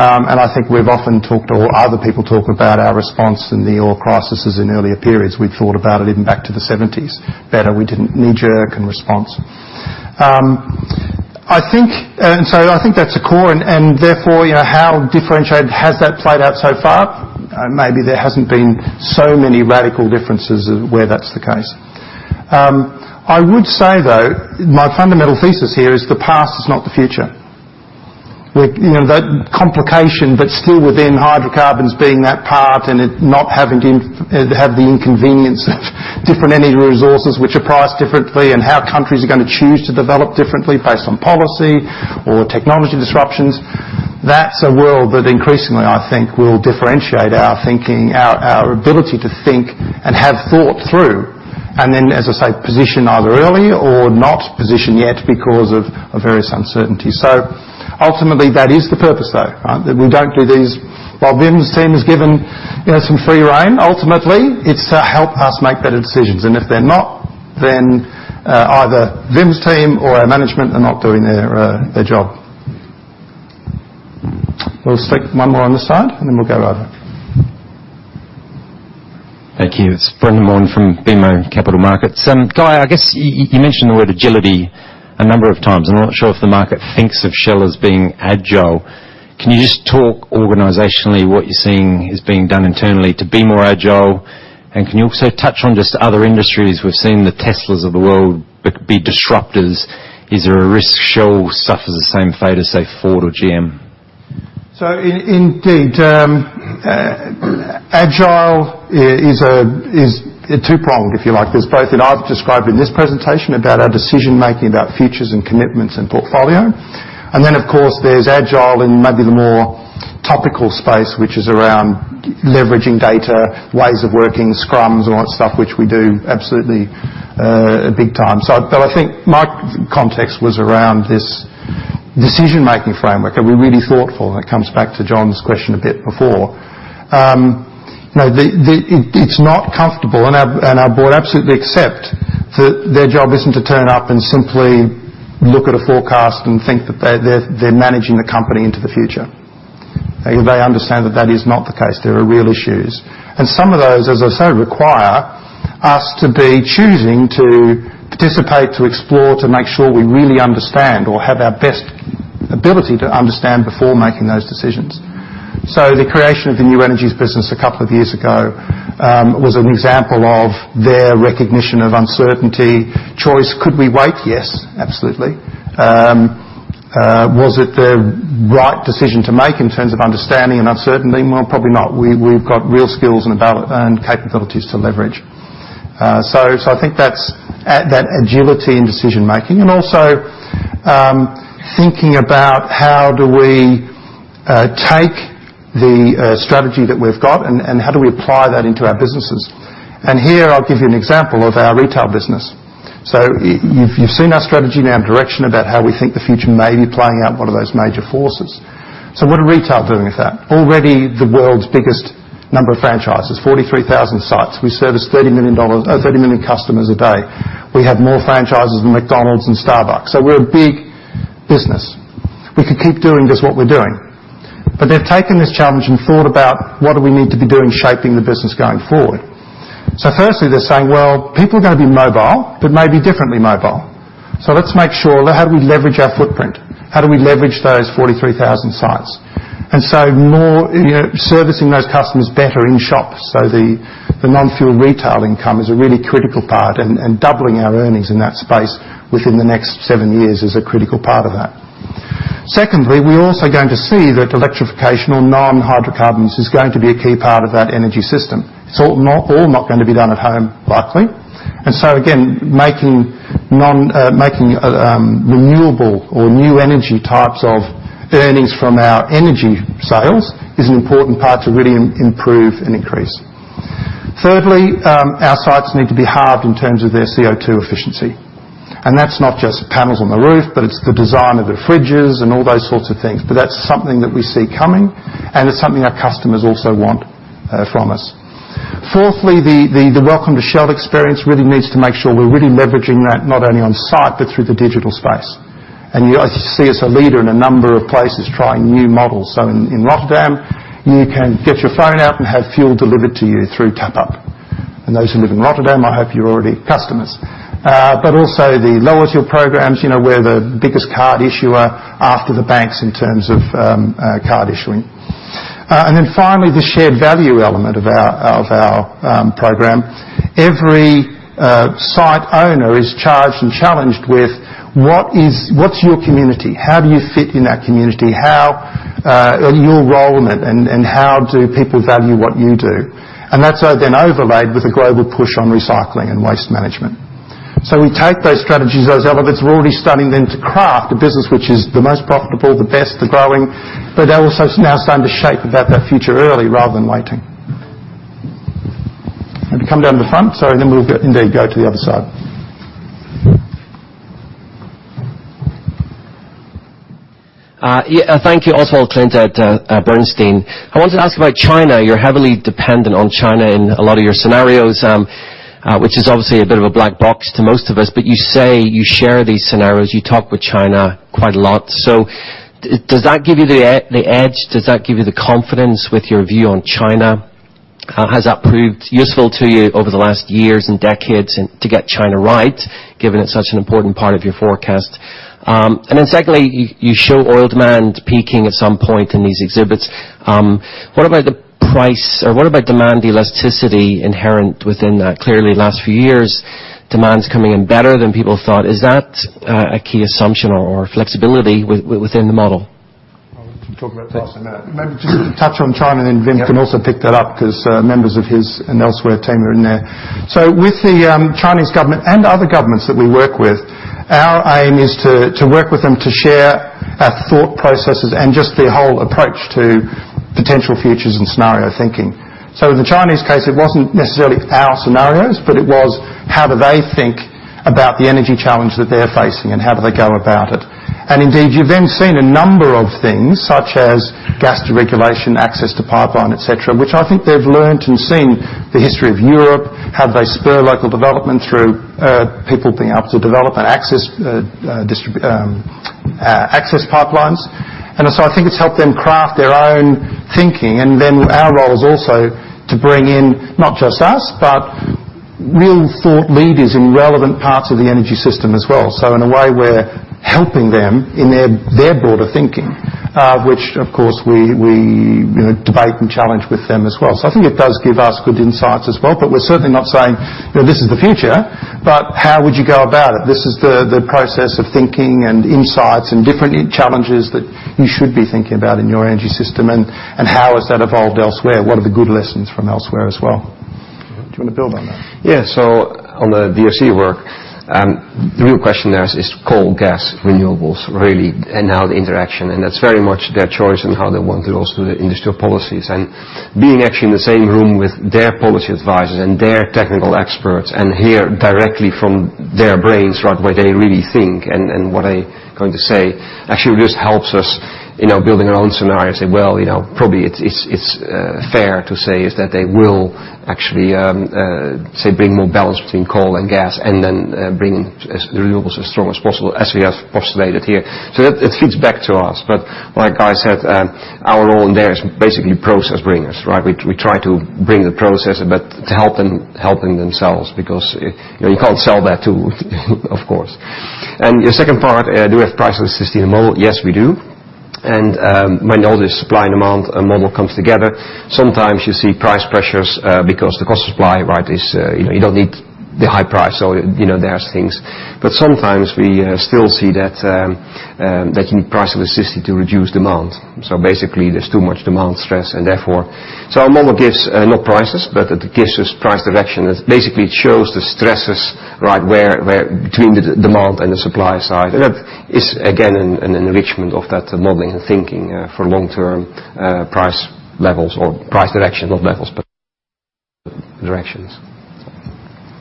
I think we've often talked or other people talk about our response in the oil crises in earlier periods. We'd thought about it even back to the '70s better. We didn't knee-jerk and response. I think that's a core and therefore, how differentiated has that played out so far? Maybe there hasn't been so many radical differences where that's the case. I would say, though, my fundamental thesis here is the past is not the future. That complication, but still within hydrocarbons being that part and it not having to have the inconvenience of different energy resources which are priced differently and how countries are going to choose to develop differently based on policy or technology disruptions. That's a world that increasingly, I think, will differentiate our thinking, our ability to think and have thought through, and then, as I say, position either early or not position yet because of various uncertainties. Ultimately, that is the purpose, though, right? That we don't do these While Wim's team is given some free rein, ultimately, it's to help us make better decisions. If they're not, then either Wim's team or our management are not doing their job. We'll just take one more on this side, and then we'll go over. Thank you. It's Brendan Vaughan from BMO Capital Markets. Guy, I guess you mentioned the word agility a number of times. I'm not sure if the market thinks of Shell as being agile. Can you just talk organizationally what you're seeing is being done internally to be more agile? Can you also touch on just other industries we've seen the Teslas of the world be disruptors. Is there a risk Shell suffers the same fate as, say, Ford or GM? Indeed, agile is two-pronged, if you like. There's both that I've described in this presentation about our decision-making about futures and commitments and portfolio. Then, of course, there's agile in maybe the more topical space, which is around leveraging data, ways of working, scrums, all that stuff, which we do absolutely big time. I think my context was around this decision-making framework. Are we really thoughtful? It comes back to Jon's question a bit before. It's not comfortable, and our board absolutely accept that their job isn't to turn up and simply look at a forecast and think that they're managing the company into the future. They understand that that is not the case. There are real issues. Some of those, as I say, require us to be choosing to participate, to explore, to make sure we really understand or have our best ability to understand before making those decisions. The creation of the new energies business a couple of years ago was an example of their recognition of uncertainty. Choice, could we wait? Yes, absolutely. Was it the right decision to make in terms of understanding and uncertainty? Well, probably not. We've got real skills and capabilities to leverage. I think that's that agility in decision making. Also thinking about how do we take the strategy that we've got and how do we apply that into our businesses? Here, I'll give you an example of our retail business. You've seen our strategy and our direction about how we think the future may be playing out, what are those major forces? What are retail doing with that? Already the world's biggest number of franchises, 43,000 sites. We service 30 million customers a day. We have more franchises than McDonald's and Starbucks. We're a big business. We could keep doing just what we're doing, but they've taken this challenge and thought about what do we need to be doing, shaping the business going forward. Firstly, they're saying, well, people are going to be mobile, but maybe differently mobile. Let's make sure how do we leverage our footprint? How do we leverage those 43,000 sites? More servicing those customers better in shops. The non-fuel retail income is a really critical part, and doubling our earnings in that space within the next seven years is a critical part of that. Secondly, we're also going to see that electrification or non-hydrocarbons is going to be a key part of that energy system. It's all not going to be done at home, likely. Again, making renewable or new energy types of earnings from our energy sales is an important part to really improve and increase. Thirdly, our sites need to be halved in terms of their CO2 efficiency. That's not just panels on the roof, but it's the design of the fridges and all those sorts of things. That's something that we see coming, and it's something our customers also want from us. Fourthly, the welcome to Shell experience really needs to make sure we're really leveraging that not only on site, but through the digital space. You see us a leader in a number of places trying new models. In Rotterdam, you can get your phone out and have fuel delivered to you through Tap Up. Those who live in Rotterdam, I hope you're already customers. Also the loyalty programs, we're the biggest card issuer after the banks in terms of card issuing. Finally, the shared value element of our program. Every site owner is charged and challenged with what's your community? How do you fit in that community? How your role in it and how do people value what you do? That's then overlaid with a global push on recycling and waste management. We take those strategies, those elements, we're already starting then to craft a business which is the most profitable, the best, the growing, but they're also now starting to shape about that future early rather than waiting. Want to come down to the front? Sorry, we'll indeed go to the other side. Yeah. Thank you. Oswald Clint at Bernstein. I wanted to ask about China. You're heavily dependent on China in a lot of your scenarios, which is obviously a bit of a black box to most of us. You say you share these scenarios, you talk with China quite a lot. Does that give you the edge? Does that give you the confidence with your view on China? Has that proved useful to you over the last years and decades to get China right, given it's such an important part of your forecast? Secondly, you show oil demand peaking at some point in these exhibits. What about the price or what about demand elasticity inherent within that? Clearly last few years, demand's coming in better than people thought. Is that a key assumption or flexibility within the model? Well, we can talk about price in a minute. Maybe just touch on China, then Wim can also pick that up because members of his and elsewhere team are in there. With the Chinese government and other governments that we work with, our aim is to work with them to share our thought processes and just the whole approach to potential futures and scenario thinking. In the Chinese case, it wasn't necessarily our scenarios, but it was how do they think about the energy challenge that they're facing and how do they go about it. Indeed, you've then seen a number of things such as gas deregulation, access to pipeline, et cetera, which I think they've learned and seen the history of Europe, how they spur local development through people being able to develop and access pipelines. I think it's helped them craft their own thinking, and then our role is also to bring in not just us, but real thought leaders in relevant parts of the energy system as well. In a way we're helping them in their broader thinking, which of course we debate and challenge with them as well. I think it does give us good insights as well. We're certainly not saying this is the future, but how would you go about it? This is the process of thinking and insights and different challenges that you should be thinking about in your energy system. How has that evolved elsewhere? What are the good lessons from elsewhere as well? Do you want to build on that? Yeah. On the BSE work, the real question there is coal, gas, renewables really, and now the interaction. That's very much their choice and how they want it. Also the industrial policies and being actually in the same room with their policy advisors and their technical experts and hear directly from their brains what they really think and what are they going to say actually just helps us building our own scenarios. Say, well probably it's fair to say is that they will actually say bring more balance between coal and gas and then bring renewables as strong as possible as we have postulated here. It feeds back to us. Like I said, our role in there is basically process bringers, right? We try to bring the process but to help them helping themselves because you can't sell that too of course. Your second part, do we have price elasticity in the model? Yes, we do. When all the supply and demand model comes together, sometimes you see price pressures because the cost of supply, you don't need the high price, so there's things. Sometimes we still see that you need price resistance to reduce demand. Basically, there's too much demand stress and therefore our model gives not prices, but it gives us price direction. Basically, it shows the stresses right where between the demand and the supply side. That is, again, an enrichment of that modeling thinking for long-term price levels or price direction, not levels, but directions.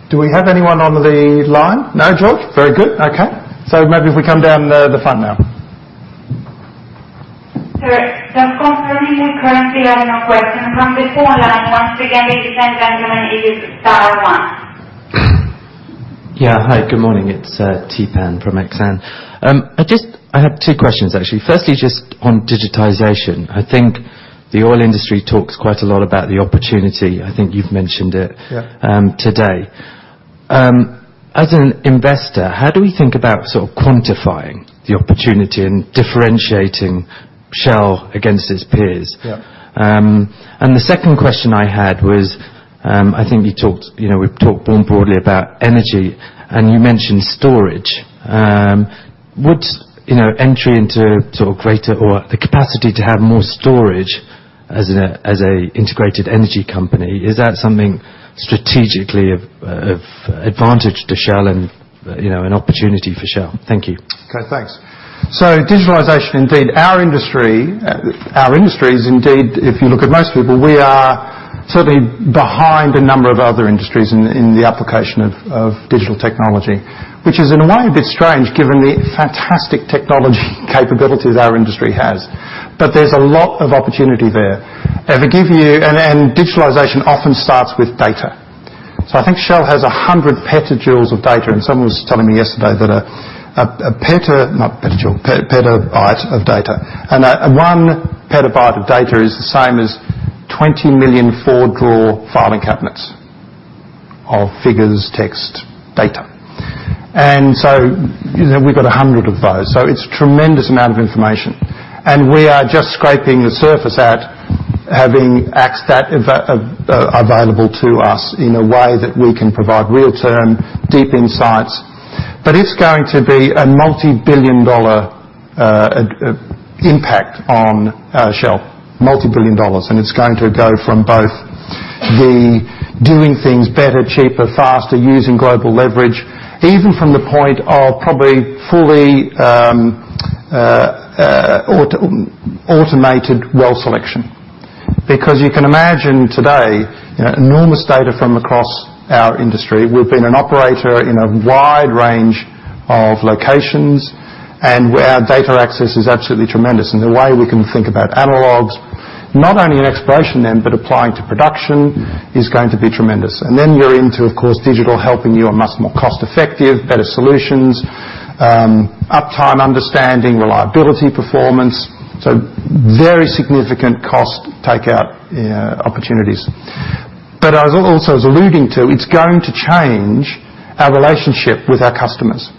Do we have anyone on the line? No, George? Very good. Okay. Maybe if we come down the front now. Sir, just confirming we currently have no question from the phone line. Once again, please press star one. Yeah. Hi, good morning. It's [Thibault] from Exane. I have two questions, actually. Firstly, just on digitization. I think the oil industry talks quite a lot about the opportunity. I think you've mentioned it- Yeah today. As an investor, how do we think about quantifying the opportunity and differentiating Shell against its peers? Yeah. The second question I had was, I think we've talked more broadly about energy, and you mentioned storage. Would entry into greater or the capacity to have more storage as an integrated energy company, is that something strategically of advantage to Shell and an opportunity for Shell? Thank you. Okay, thanks. Digitalization, indeed, our industry is, indeed, if you look at most people, we are certainly behind a number of other industries in the application of digital technology, which is in a way a bit strange given the fantastic technology capability that our industry has. There's a lot of opportunity there. Digitalization often starts with data. I think Shell has 100 petajoules of data, and someone was telling me yesterday that a petabyte of data. One petabyte of data is the same as 20 million four-drawer filing cabinets of figures, text, data. We've got 100 of those. It's tremendous amount of information. We are just scraping the surface at having access available to us in a way that we can provide real-time deep insights. It's going to be a multibillion-dollar impact on Shell, multibillion dollars, and it's going to go from both the doing things better, cheaper, faster, using global leverage, even from the point of probably fully automated well selection. You can imagine today, enormous data from across our industry. We've been an operator in a wide range of locations, and our data access is absolutely tremendous. The way we can think about analogs, not only in exploration then, but applying to production is going to be tremendous. Then you're into, of course, digital helping you a much more cost-effective, better solutions, uptime understanding, reliability performance. Very significant cost takeout opportunities. As I also was alluding to, it's going to change our relationship with our customers,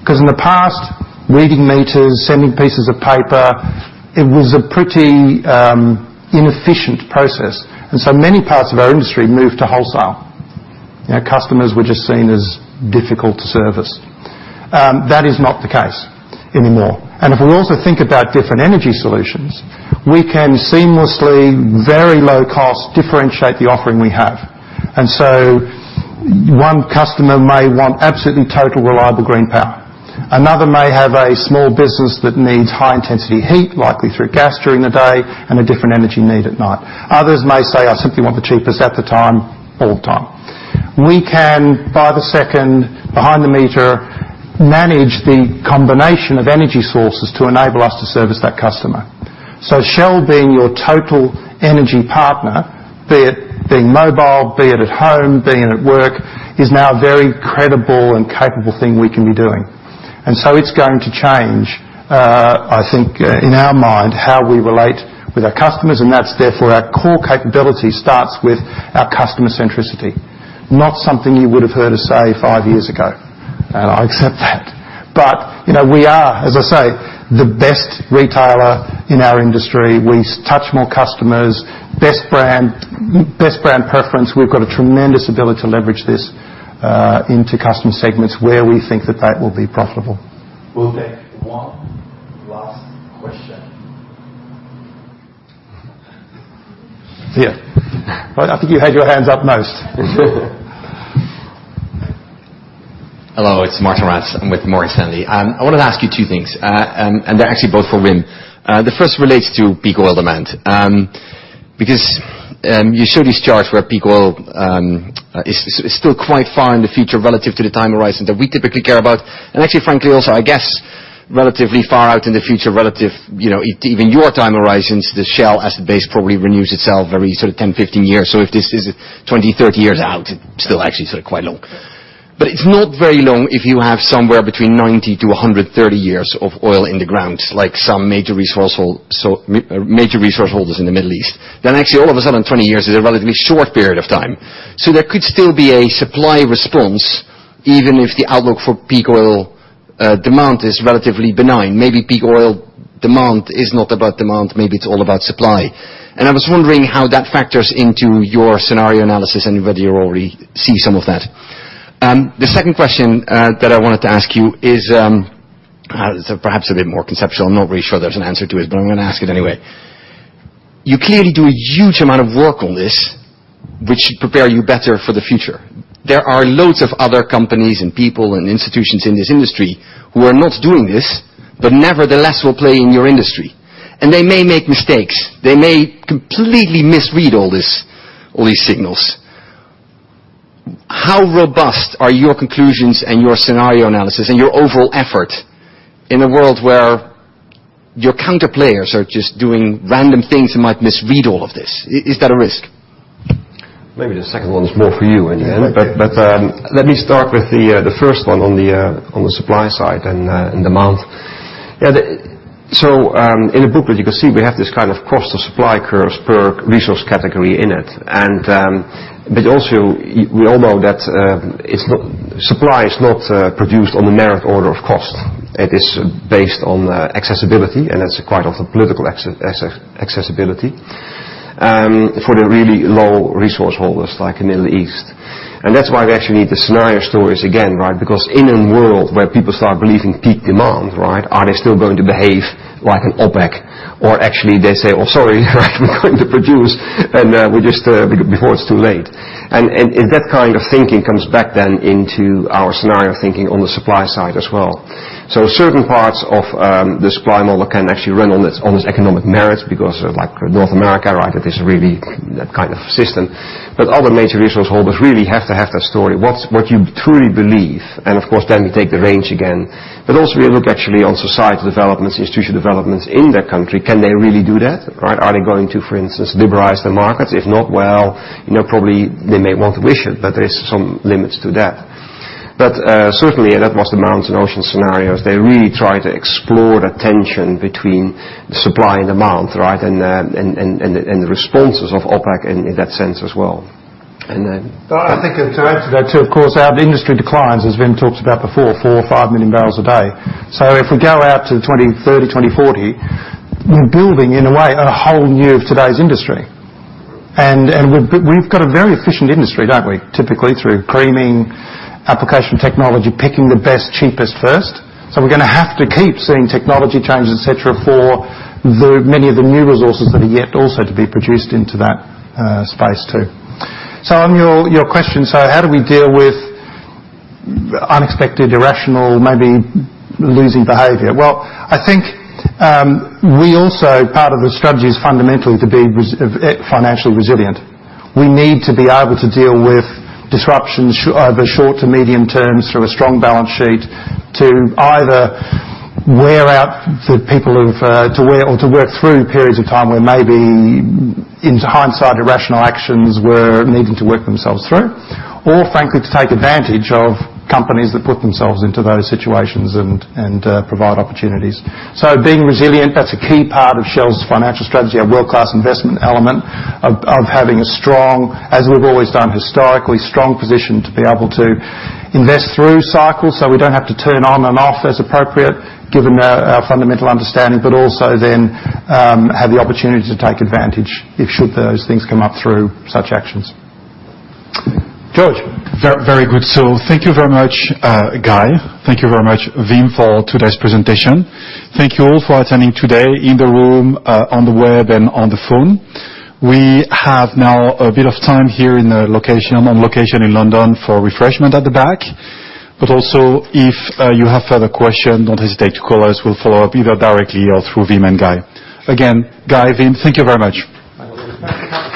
because in the past, reading meters, sending pieces of paper, it was a pretty inefficient process. Many parts of our industry moved to wholesale. Customers were just seen as difficult to service. That is not the case anymore. If we also think about different energy solutions, we can seamlessly, very low-cost, differentiate the offering we have. One customer may want absolutely total reliable green power. Another may have a small business that needs high-intensity heat, likely through gas during the day, and a different energy need at night. Others may say, "I simply want the cheapest at the time, all the time." We can, by the second, behind the meter, manage the combination of energy sources to enable us to service that customer. Shell being your total energy partner, be it being mobile, be it at home, being at work, is now a very credible and capable thing we can be doing. It's going to change, I think, in our mind, how we relate with our customers, and that's therefore our core capability starts with our customer centricity. Not something you would have heard us say five years ago, and I accept that. We are, as I say, the best retailer in our industry. We touch more customers, best brand preference. We've got a tremendous ability to leverage this into customer segments where we think that that will be profitable. We'll take one last question. Here. I think you had your hand up most. Hello, it's Martijn Rats. I'm with Morgan Stanley. I wanted to ask you two things, and they're actually both for Wim. The first relates to peak oil demand. You show this chart where peak oil is still quite far in the future relative to the time horizon that we typically care about. Actually, frankly, also, I guess, relatively far out in the future, relative, even your time horizons, the Shell asset base probably renews itself every sort of 10, 15 years. If this is 20, 30 years out, it's still actually quite long. It's not very long if you have somewhere between 90 to 130 years of oil in the ground, like some major resource holders in the Middle East. Actually, all of a sudden, 20 years is a relatively short period of time. There could still be a supply response. Even if the outlook for peak oil demand is relatively benign. Maybe peak oil demand is not about demand, maybe it is all about supply. I was wondering how that factors into your scenario analysis, and whether you already see some of that. The second question that I wanted to ask you is perhaps a bit more conceptual. I am not really sure there is an answer to it, but I am going to ask it anyway. You clearly do a huge amount of work on this, which should prepare you better for the future. There are loads of other companies, and people, and institutions in this industry who are not doing this, but nevertheless will play in your industry. They may make mistakes. They may completely misread all these signals. How robust are your conclusions and your scenario analysis and your overall effort in a world where your counter players are just doing random things and might misread all of this? Is that a risk? Maybe the second one is more for you in the end. Let me start with the first one on the supply side and demand. In the booklet, you can see we have this cost of supply curves per resource category in it. We all know that supply is not produced on the merit order of cost. It is based on accessibility, and it is quite often political accessibility for the really low resource holders, like the Middle East. That is why we actually need the scenario stories again. In a world where people start believing peak demand, are they still going to behave like an OPEC? They say, "Oh, sorry, we are going to produce before it is too late." That kind of thinking comes back then into our scenario thinking on the supply side as well. Certain parts of the supply model can actually run on its economic merits, because like North America, it is really that kind of system. Other major resource holders really have to have that story, what you truly believe. Then we take the range again. We look actually on societal developments, institutional developments in their country. Can they really do that? Are they going to, for instance, liberalize their markets? If not, well, probably they may want to wish it, but there is some limits to that. That was the Mountains and Oceans scenarios. They really try to explore the tension between supply and demand, and the responses of OPEC in that sense as well. I think to add to that, too, of course, our industry declines, as Wim talked about before, four or five million barrels a day. If we go out to 2030, 2040, we're building in a way a whole new of today's industry. We've got a very efficient industry, don't we? Typically through creaming application technology, picking the best, cheapest first. We're going to have to keep seeing technology changes, et cetera, for many of the new resources that are yet also to be produced into that space, too. On your question, how do we deal with unexpected, irrational, maybe losing behavior? I think part of the strategy is fundamentally to be financially resilient. We need to be able to deal with disruptions, either short to medium terms through a strong balance sheet to either wear out the people or to work through periods of time where maybe in hindsight, irrational actions were needing to work themselves through. Frankly, to take advantage of companies that put themselves into those situations and provide opportunities. Being resilient, that's a key part of Shell's financial strategy, our world-class investment element of having a strong, as we've always done historically, strong position to be able to invest through cycles so we don't have to turn on and off as appropriate, given our fundamental understanding, but also then have the opportunity to take advantage if should those things come up through such actions. George. Very good. Thank you very much, Guy. Thank you very much, Wim, for today's presentation. Thank you all for attending today in the room, on the web, and on the phone. We have now a bit of time here in the location. I'm on location in London for refreshment at the back. Also, if you have further questions, don't hesitate to call us. We'll follow up either directly or through Wim and Guy. Again, Guy, Wim, thank you very much. My pleasure.